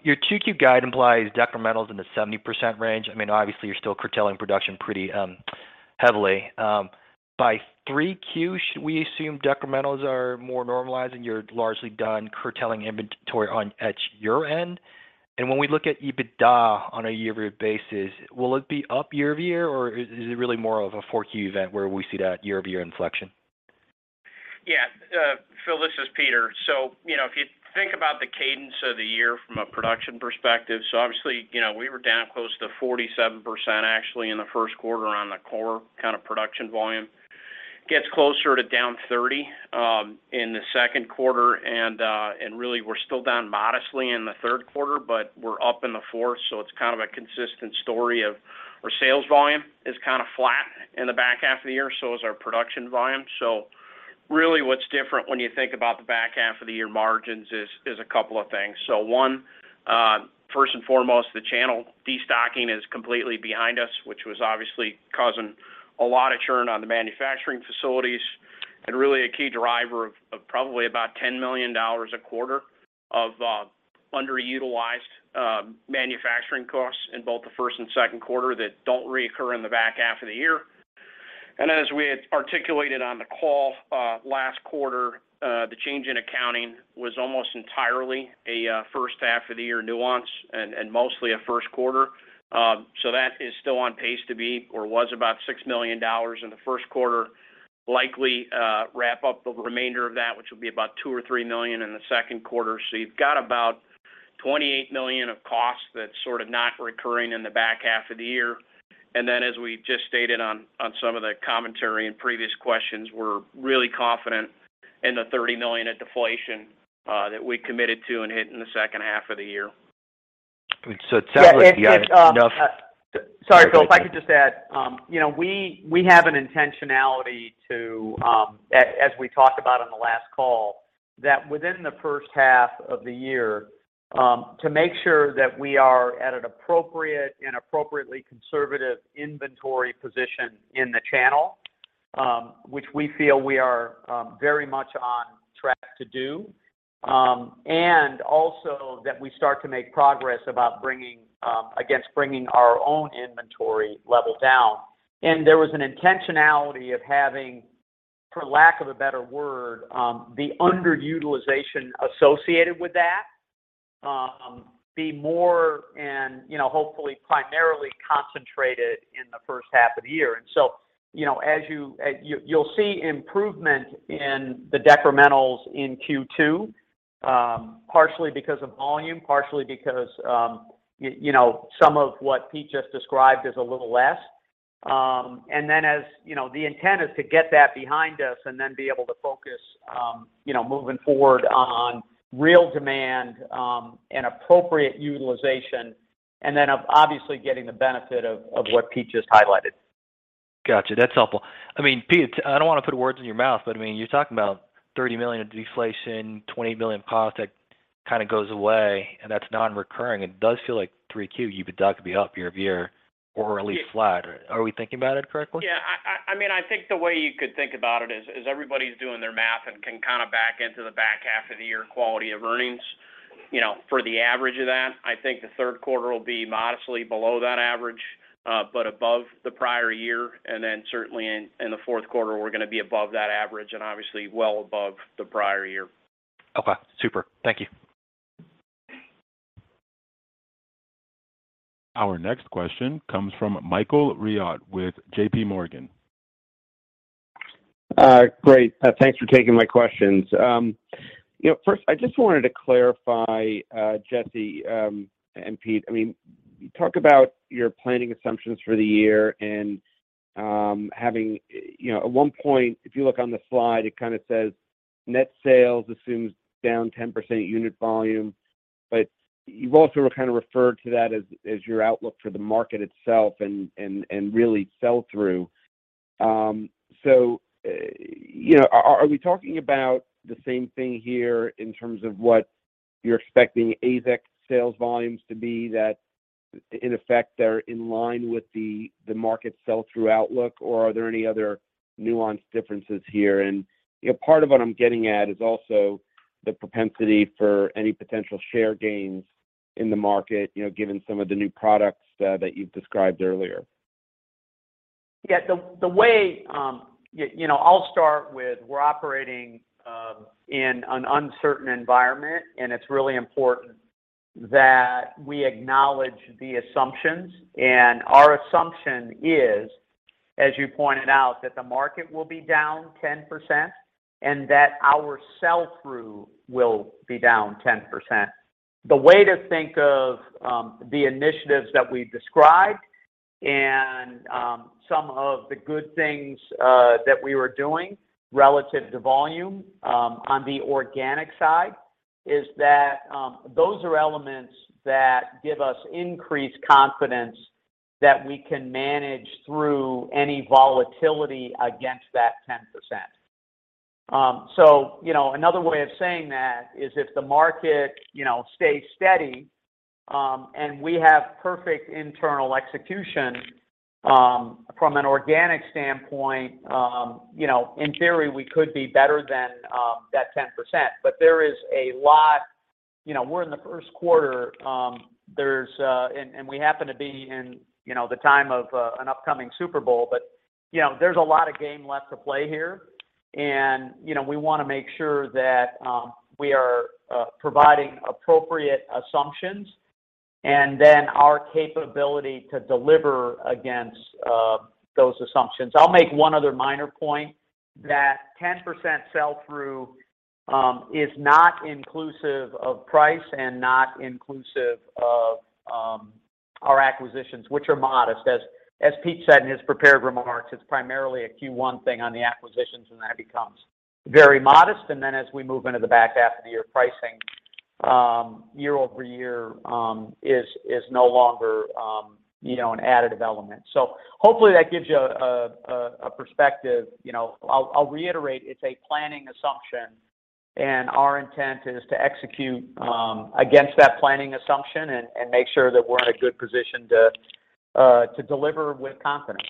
your 2Q guide implies decrementals in the 70% range. I mean, obviously, you're still curtailing production pretty heavily. by 3Q, should we assume decrementals are more normalized, and you're largely done curtailing inventory at your end? When we look at EBITDA on a year-over-year basis, will it be up year-over-year, or is it really more of a 4Q event where we see that year-over-year inflection? Yeah. Phil, this is Peter. You know, if you think about the cadence of the year from a production perspective, obviously, you know, we were down close to 47% actually in the first quarter on the core kind of production volume. Gets closer to down 30 in the second quarter, and really we're still down modestly in the third quarter, but we're up in the fourth. It's kinda a consistent story of our sales volume is kinda flat in the back half of the year, so is our production volume. Really what's different when you think about the back half of the year margins is a couple of things. One, first and foremost, the channel destocking is completely behind us, which was obviously causing a lot of churn on the manufacturing facilities and really a key driver of probably about $10 million a quarter of underutilized manufacturing costs in both the first and second quarter that don't reoccur in the back half of the year. As we had articulated on the call last quarter, the change in accounting was almost entirely a first half of the year nuance and mostly a first quarter. That is still on pace to be or was about $6 million in the first quarter. Likely wrap up the remainder of that, which will be about $2 million or $3 million in the second quarter. You've got about $28 million of costs that's sort of not recurring in the back half of the year. As we just stated on some of the commentary in previous questions, we're really confident in the $30 million of deflation that we committed to and hit in the second half of the year. It sounds like. Yeah, it. -enough- Sorry, Phil, if I could just add, you know, we have an intentionality to, as we talked about on the last call that within the first half of the year, to make sure that we are at an appropriate and appropriately conservative inventory position in the channel, which we feel we are, very much on track to do. Also that we start to make progress about bringing, against bringing our own inventory level down. There was an intentionality of having, for lack of a better word, the underutilization associated with that, be more and, you know, hopefully primarily concentrated in the first half of the year. You know, as you'll see improvement in the decrementals in Q2, partially because of volume, partially because, you know, some of what Pete just described as a little less. You know, the intent is to get that behind us and then be able to focus, you know, moving forward on real demand, and appropriate utilization, and then obviously getting the benefit of what Pete just highlighted. Got you. That's helpful. I mean, Pete, I don't wanna put words in your mouth, but I mean, you're talking about $30 million of deflation, $20 million cost that kinda goes away, and that's non-recurring. It does feel like 3Q, EBITDA could be up year-over-year or at least flat. Are we thinking about it correctly? I mean, I think the way you could think about it is everybody's doing their math and can kind of back into the back half of the year quality of earnings, you know, for the average of that. I think the third quarter will be modestly below that average, but above the prior year. Certainly in the fourth quarter, we're gonna be above that average and obviously well above the prior year. Okay. Super. Thank you. Our next question comes from Michael Rehaut with JP Morgan. Great. Thanks for taking my questions. You know, first, I just wanted to clarify, Jesse, and Pete, I mean, talk about your planning assumptions for the year and, having, you know, at one point, if you look on the slide, it kinda says net sales assumes down 10% unit volume, but you've also kind of referred to that as your outlook for the market itself and really sell through. You know, are we talking about the same thing here in terms of what you're expecting AZEK sales volumes to be that in effect, they're in line with the market sell-through outlook, or are there any other nuanced differences here? you know, part of what I'm getting at is also the propensity for any potential share gains in the market, you know, given some of the new products that you've described earlier. Yeah. The way, you know, I'll start with we're operating in an uncertain environment, and it's really important that we acknowledge the assumptions. Our assumption is, as you pointed out, that the market will be down 10% and that our sell through will be down 10%. The way to think of the initiatives that we described and some of the good things that we were doing relative to volume on the organic side is that those are elements that give us increased confidence that we can manage through any volatility against that 10%. You know, another way of saying that is if the market, you know, stays steady, and we have perfect internal execution from an organic standpoint, you know, in theory, we could be better than that 10%. There is a lot. You know, we're in the first quarter, and we happen to be in, you know, the time of an upcoming Super Bowl. You know, there's a lot of game left to play here. You know, we wanna make sure that we are providing appropriate assumptions and then our capability to deliver against those assumptions. I'll make one other minor point that 10% sell through is not inclusive of price and not inclusive of our acquisitions, which are modest. As Pete said in his prepared remarks, it's primarily a Q1 thing on the acquisitions, and that becomes very modest. As we move into the back half of the year, pricing year-over-year is no longer, you know, an additive element. Hopefully that gives you a perspective. You know, I'll reiterate, it's a planning assumption, and our intent is to execute against that planning assumption and make sure that we're in a good position to deliver with confidence.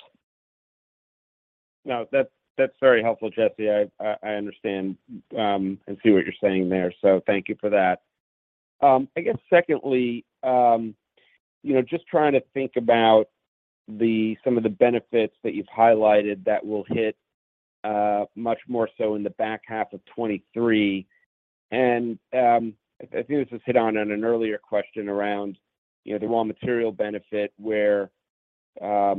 No, that's very helpful, Jesse. I understand, and see what you're saying there, so thank you for that. I guess secondly, you know, just trying to think about some of the benefits that you've highlighted that will hit much more so in the back half of 2023. I think this was hit on in an earlier question around, you know, the raw material benefit where I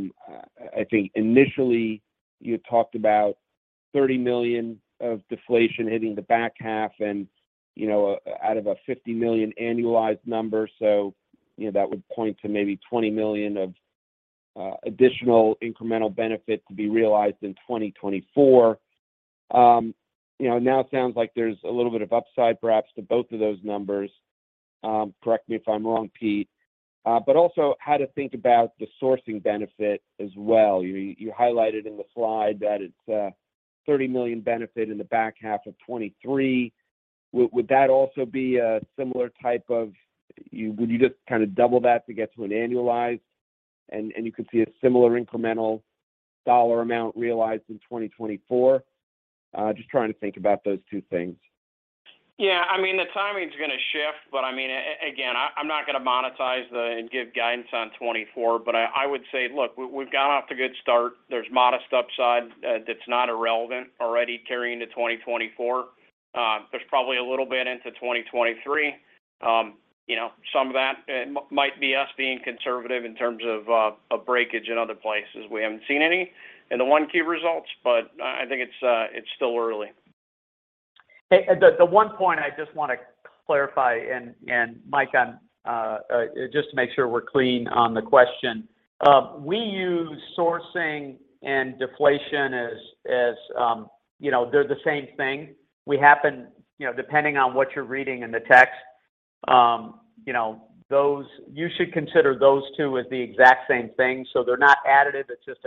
think initially you talked about $30 million of deflation hitting the back half and, you know, out of a $50 million annualized number. you know, that would point to maybe $20 million of additional incremental benefit to be realized in 2024. you know, now it sounds like there's a little bit of upside perhaps to both of those numbers. Correct me if I'm wrong, Pete. Also how to think about the sourcing benefit as well. You highlighted in the slide that it's $30 million benefit in the back half of 2023. Would that also be a similar type of... would you just kinda double that to get to an annualized and you could see a similar incremental dollar amount realized in 2024? Just trying to think about those two things. Yeah. I mean, the timing's going to shift, but I mean, again, I'm not going to monetize the and give guidance on 2024. I would say, look, we've got off to a good start. There's modest upside that's not irrelevant already carrying to 2024. There's probably a little bit into 2023. You know, some of that might be us being conservative in terms of a breakage in other places. We haven't seen any in the 1Q results, but I think it's still early. Hey, the one point I just wanna clarify and Mike on, just to make sure we're clean on the question. We use sourcing and deflation as, you know, they're the same thing. We happen, you know, depending on what you're reading in the text, you know, those. You should consider those two as the exact same thing. They're not additive, it's just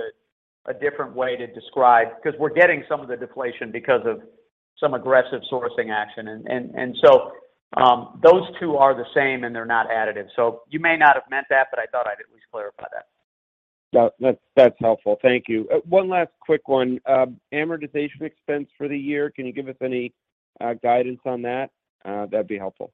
a different way to describe. 'Cause we're getting some of the deflation because of some aggressive sourcing action. Those two are the same, and they're not additive. You may not have meant that, but I thought I'd at least clarify that. That's helpful. Thank you. One last quick one. Amortization expense for the year, can you give us any guidance on that? That'd be helpful.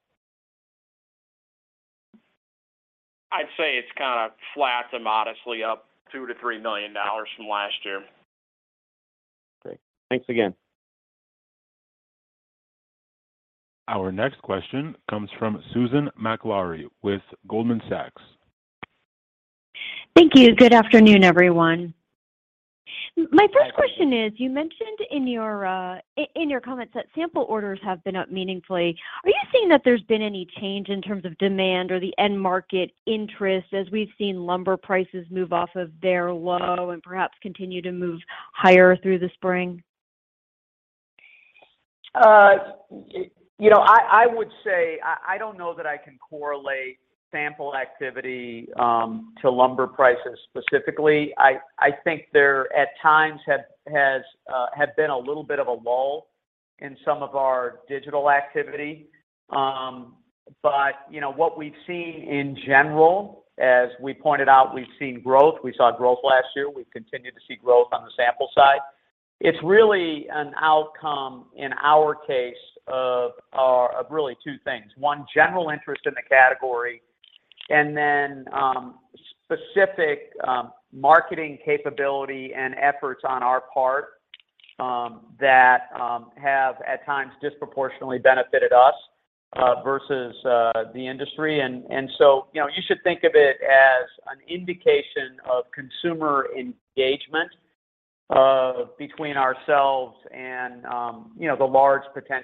I'd say it's kinda flat to modestly up $2 million-$3 million from last year. Great. Thanks again. Our next question comes from Susan Maklari with Goldman Sachs. Thank you. Good afternoon, everyone. Good afternoon. My first question is, you mentioned in your comments that sample orders have been up meaningfully. Are you seeing that there's been any change in terms of demand or the end market interest as we've seen lumber prices move off of their low and perhaps continue to move higher through the spring? You know, I would say I don't know that I can correlate sample activity to lumber prices specifically. I think there, at times, have been a little bit of a lull in some of our digital activity. You know, what we've seen in general, as we pointed out, we've seen growth. We saw growth last year. We've continued to see growth on the sample side. It's really an outcome in our case of really two things. One, general interest in the category, and then, specific marketing capability and efforts on our part that have at times disproportionately benefited us versus the industry. You know, you should think of it as an indication of consumer engagement, between ourselves and, you know, the large mass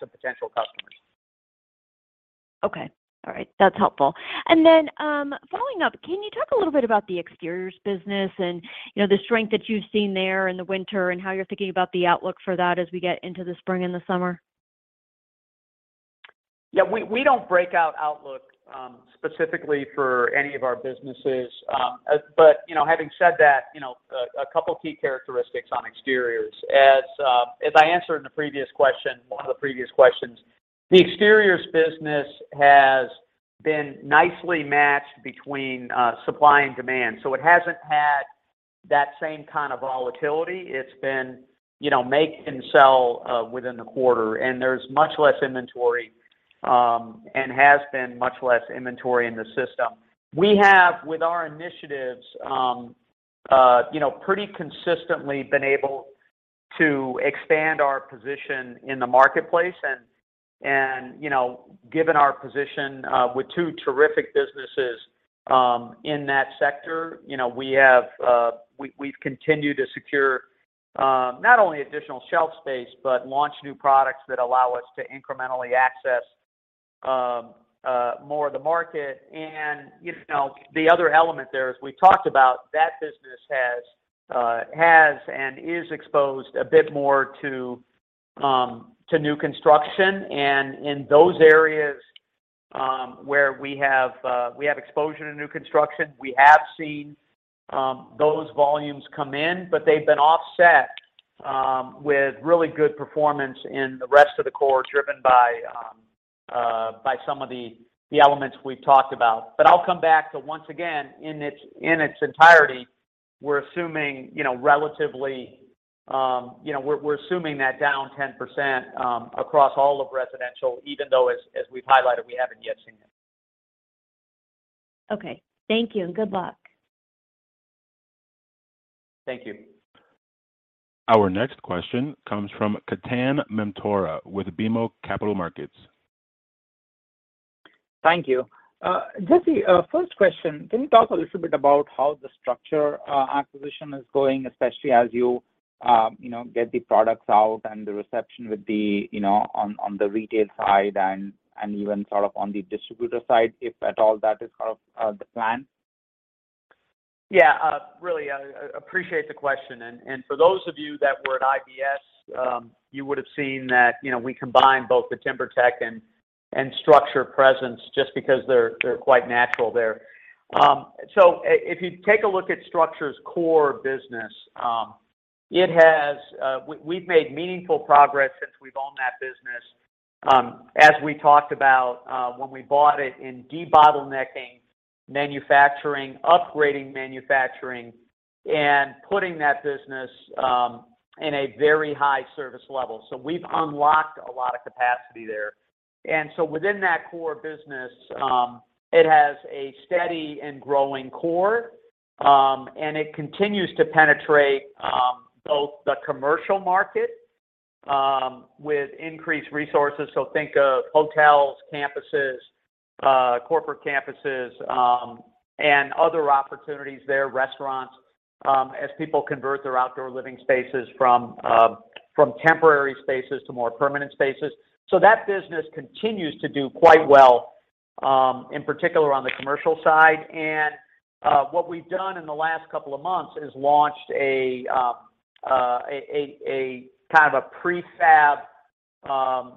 of potential customers. Okay. All right. That's helpful. Then, following up, can you talk a little bit about the exteriors business and, you know, the strength that you've seen there in the winter and how you're thinking about the outlook for that as we get into the spring and the summer? Yeah. We don't break out outlook specifically for any of our businesses. You know, having said that, you know, a couple key characteristics on exteriors. As I answered in the previous question, one of the previous questions, the exteriors business has been nicely matched between supply and demand. It hasn't had that same kind of volatility. It's been, you know, make and sell within the quarter. There's much less inventory and has been much less inventory in the system. We have, with our initiatives, you know, pretty consistently been able to expand our position in the marketplace. You know, given our position, with two terrific businesses, in that sector, you know, we have, we've continued to secure, not only additional shelf space, but launch new products that allow us to incrementally access, more of the market. You know, the other element there, as we talked about, that business has and is exposed a bit more to new construction. In those areas, where we have, we have exposure to new construction, we have seen, those volumes come in. They've been offset, with really good performance in the rest of the core, driven by some of the elements we've talked about. I'll come back to, once again, in its entirety, we're assuming, you know, relatively, you know, we're assuming that down 10% across all of residential, even though as we've highlighted, we haven't yet seen it. Okay. Thank you, and good luck. Thank you. Our next question comes from Ketan Mamtora with BMO Capital Markets. Thank you. Jesse, first question. Can you talk a little bit about how the StruXure acquisition is going, especially as you You know, get the products out and the reception with the, you know, on the retail side and even sort of on the distributor side, if at all, that is kind of the plan. Really, I appreciate the question. For those of you that were at IBS, you would have seen that, you know, we combine both the TimberTech and StruXure presence just because they're quite natural there. If you take a look at StruXure's core business, it has, we've made meaningful progress since we've owned that business, as we talked about, when we bought it in debottlenecking manufacturing, upgrading manufacturing, and putting that business in a very high service level. We've unlocked a lot of capacity there. Within that core business, it has a steady and growing core, and it continues to penetrate both the commercial market with increased resources. Think of hotels, campuses, corporate campuses, and other opportunities there, restaurants, as people convert their outdoor living spaces from temporary spaces to more permanent spaces. That business continues to do quite well, in particular on the commercial side. What we've done in the last 2 months is launched a kind of a prefab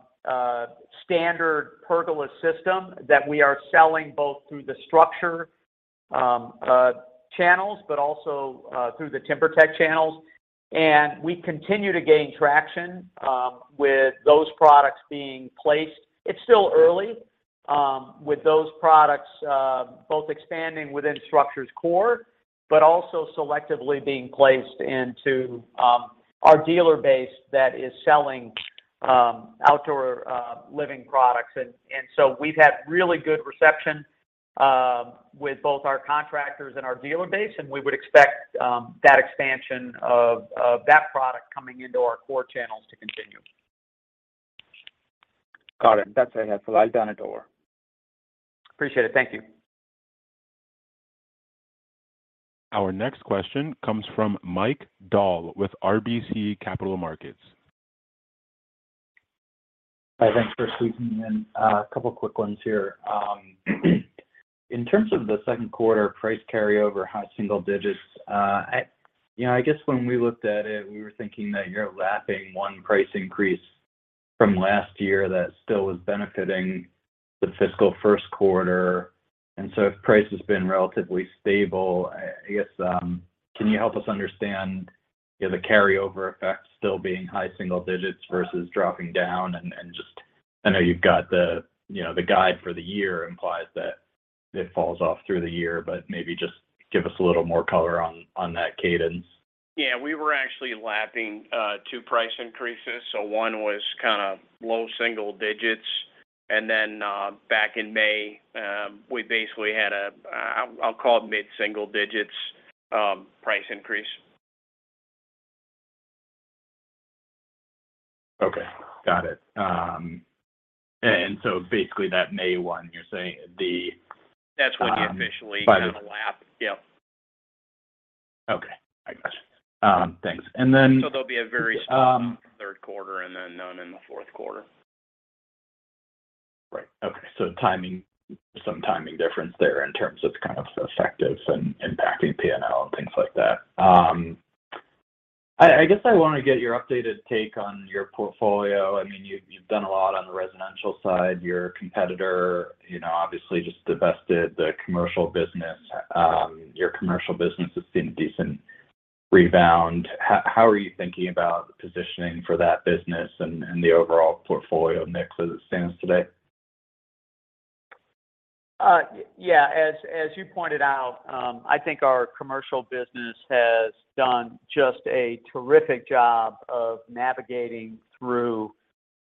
standard pergola system that we are selling both through the StruXure channels, but also through the TimberTech channels. We continue to gain traction with those products being placed. It's still early with those products, both expanding within StruXure's core, but also selectively being placed into our dealer base that is selling outdoor living products. We've had really good reception, with both our contractors and our dealer base, and we would expect, that expansion of that product coming into our core channels to continue. Got it. That's it. I'll turn it over. Appreciate it. Thank you. Our next question comes from Mike Dahl with RBC Capital Markets. Hi, thanks for squeezing me in. A couple quick ones here. In terms of the second quarter price carryover high single digits, you know, I guess when we looked at it, we were thinking that you're lapping 1 price increase from last year that still was benefiting the fiscal first quarter. If price has been relatively stable, I guess, can you help us understand, you know, the carryover effect still being high single digits versus dropping down and just I know you've got the, you know, the guide for the year implies that it falls off through the year, but maybe just give us a little more color on that cadence? Yeah. We were actually lapping 2 price increases. One was kind of low single digits. Back in May, we basically had a, I'll call it mid-single digits price increase. Okay. Got it. Basically that May 1, you're saying the... That's when we. Got it.... kinda lap. Yep. Okay. I got you. Thanks. There'll be a very small third quarter and then none in the fourth quarter. Right. Okay. Timing difference there in terms of kind of effectives and impacting P&L and things like that. I guess I wanna get your updated take on your portfolio. I mean, you've done a lot on the residential side. Your competitor, you know, obviously just divested the commercial business. Your commercial business has seen a decent rebound. How are you thinking about positioning for that business and the overall portfolio mix as it stands today? As you pointed out, I think our commercial business has done just a terrific job of navigating through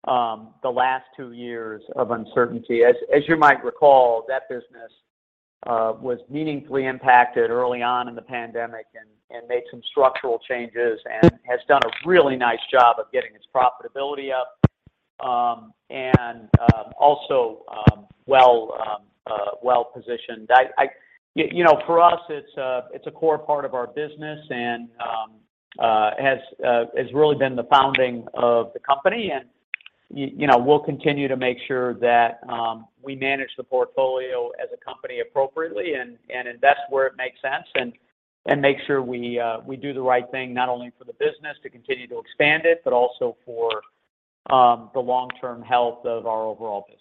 the last two years of uncertainty. As you might recall, that business was meaningfully impacted early on in the pandemic and made some structural changes and has done a really nice job of getting its profitability up and also well-positioned. You know, for us, it's a core part of our business and has really been the founding of the company. You know, we'll continue to make sure that we manage the portfolio as a company appropriately and invest where it makes sense and make sure we do the right thing, not only for the business to continue to expand it, but also for the long-term health of our overall business.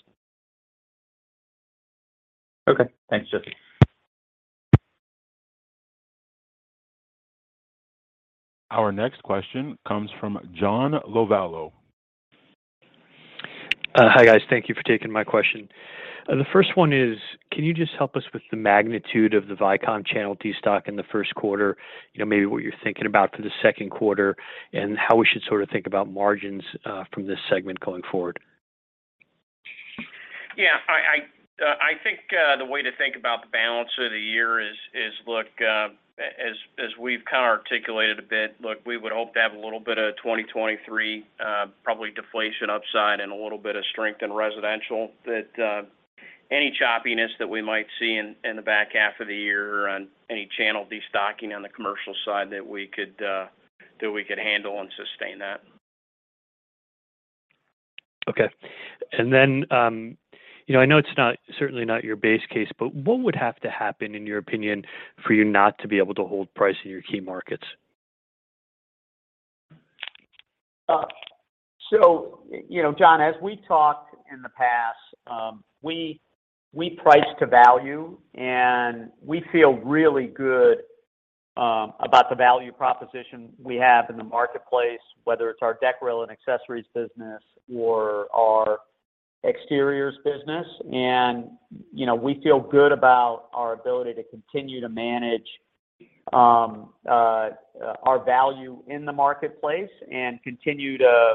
Okay. Thanks, Jesse. Our next question comes from John Lovallo. Hi, guys. Thank you for taking my question. The first one is, can you just help us with the magnitude of the Vycom channel destock in the first quarter? You know, maybe what you're thinking about for the second quarter, and how we should sort of think about margins from this segment going forward? Yeah. I think the way to think about the balance of the year is look, as we've kind of articulated a bit, look, we would hope to have a little bit of 2023, probably deflation upside and a little bit of strength in residential that any choppiness that we might see in the back half of the year on any channel destocking on the commercial side that we could handle and sustain that. Okay. Then, you know, I know it's certainly not your base case, but what would have to happen, in your opinion, for you not to be able to hold price in your key markets? You know, John, as we talked in the past, we price to value, and we feel really good about the value proposition we have in the marketplace, whether it's our deck rail and accessories business or our exteriors business. You know, we feel good about our ability to continue to manage our value in the marketplace and continue to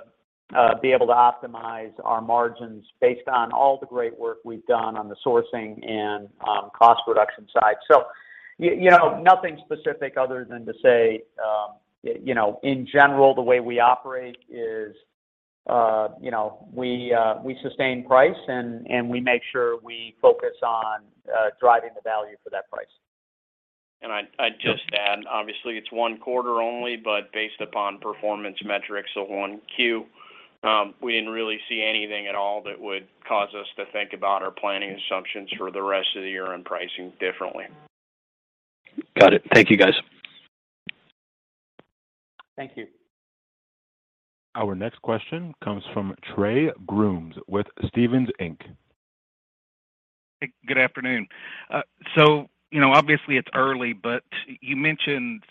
be able to optimize our margins based on all the great work we've done on the sourcing and cost reduction side. You know, nothing specific other than to say, you know, in general, the way we operate is, you know, we sustain price and we make sure we focus on driving the value for that price. And I'd- Yeah. I'd just add, obviously it's one quarter only. Based upon performance metrics of 1Q, we didn't really see anything at all that would cause us to think about our planning assumptions for the rest of the year and pricing differently. Got it. Thank you, guys. Thank you. Our next question comes from Trey Grooms with Stephens Inc. Hey, good afternoon. you know, obviously it's early, but you mentioned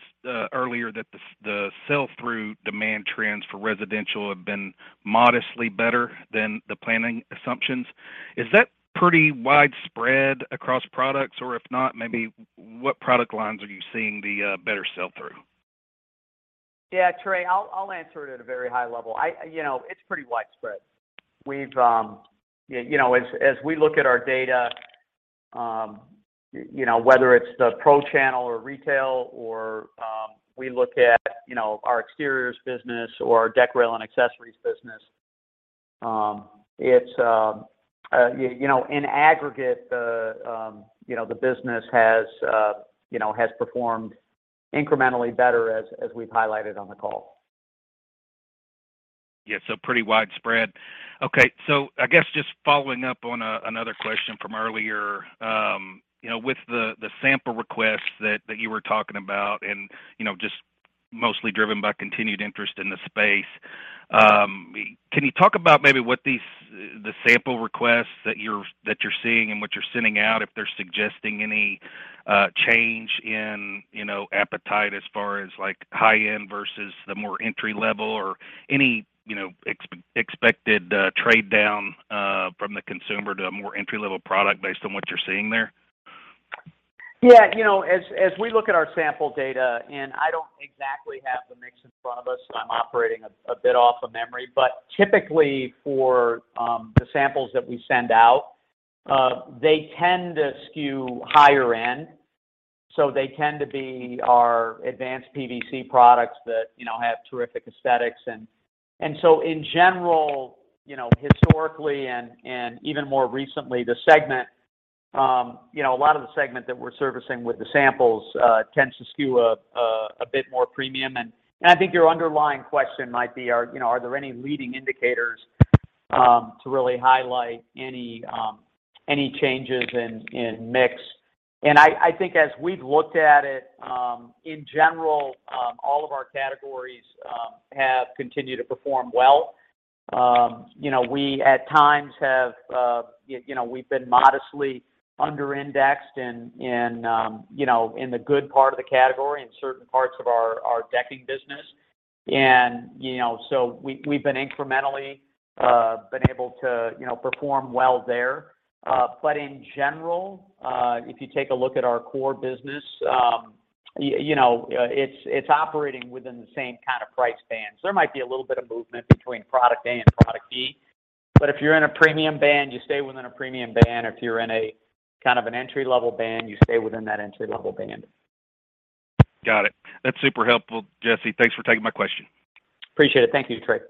earlier that the sell-through demand trends for residential have been modestly better than the planning assumptions. Is that pretty widespread across products, or if not, maybe what product lines are you seeing the better sell-through? Yeah, Trey, I'll answer it at a very high level. I, you know, it's pretty widespread. We've, you know, as we look at our data, you know, whether it's the pro channel or retail or, we look at, you know, our exteriors business or our deck rail and accessories business, it's, you know, in aggregate, you know, the business has, you know, has performed incrementally better as we've highlighted on the call. Yeah. Pretty widespread. Okay. I guess just following up on another question from earlier. You know, with the sample requests that you were talking about and, you know, just mostly driven by continued interest in the space, can you talk about maybe what these sample requests that you're seeing and what you're sending out, if they're suggesting any change in, you know, appetite as far as like high-end versus the more entry level or any expected trade down from the consumer to a more entry level product based on what you're seeing there? You know, as we look at our sample data, I don't exactly have the mix in front of us, so I'm operating a bit off of memory. Typically for the samples that we send out, they tend to skew higher end. They tend to be our advanced PVC products that, you know, have terrific aesthetics. In general, you know, historically and even more recently, the segment, you know, a lot of the segment that we're servicing with the samples, tends to skew a bit more premium. I think your underlying question might be, are there any leading indicators to really highlight any changes in mix? I think as we've looked at it, in general, all of our categories have continued to perform well. You know, we at times have, you know, we've been modestly under-indexed in, you know, in the good part of the category in certain parts of our decking business. You know, we've been incrementally been able to, you know, perform well there. In general, if you take a look at our core business, you know, it's operating within the same kinda price bands. There might be a little bit of movement between product A and product B, but if you're in a premium band, you stay within a premium band. If you're in a kind of an entry-level band, you stay within that entry-level band. Got it. That's super helpful, Jesse. Thanks for taking my question. Appreciate it. Thank you, Trey.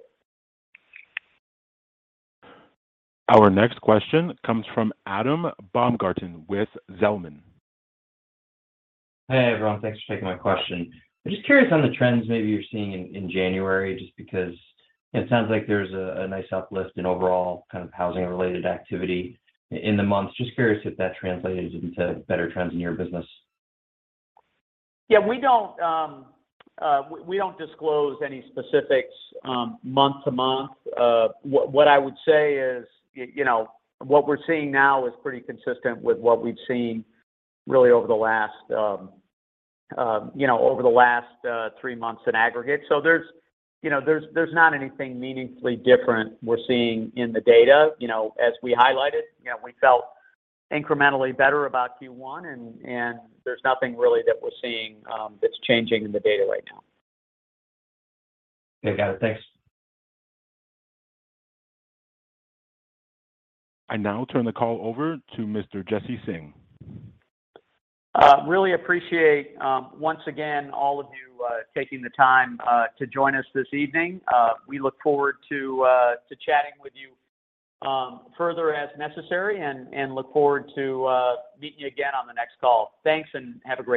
Our next question comes from Adam Baumgarten with Zelman. Hey, everyone. Thanks for taking my question. I'm just curious on the trends maybe you're seeing in January, just because it sounds like there's a nice uplift in overall kind of housing related activity in the months. Just curious if that translated into better trends in your business. Yeah. We don't disclose any specifics, month to month. What I would say is, you know, what we're seeing now is pretty consistent with what we've seen really over the last, you know, three months in aggregate. There's, you know, there's not anything meaningfully different we're seeing in the data. You know, as we highlighted, you know, we felt incrementally better about Q1 and there's nothing really that we're seeing that's changing in the data right now. Okay. Got it. Thanks. I now turn the call over to Mr. Jesse Singh. Really appreciate, once again, all of you taking the time to join us this evening. We look forward to chatting with you further as necessary and look forward to meeting you again on the next call. Thanks, and have a great day.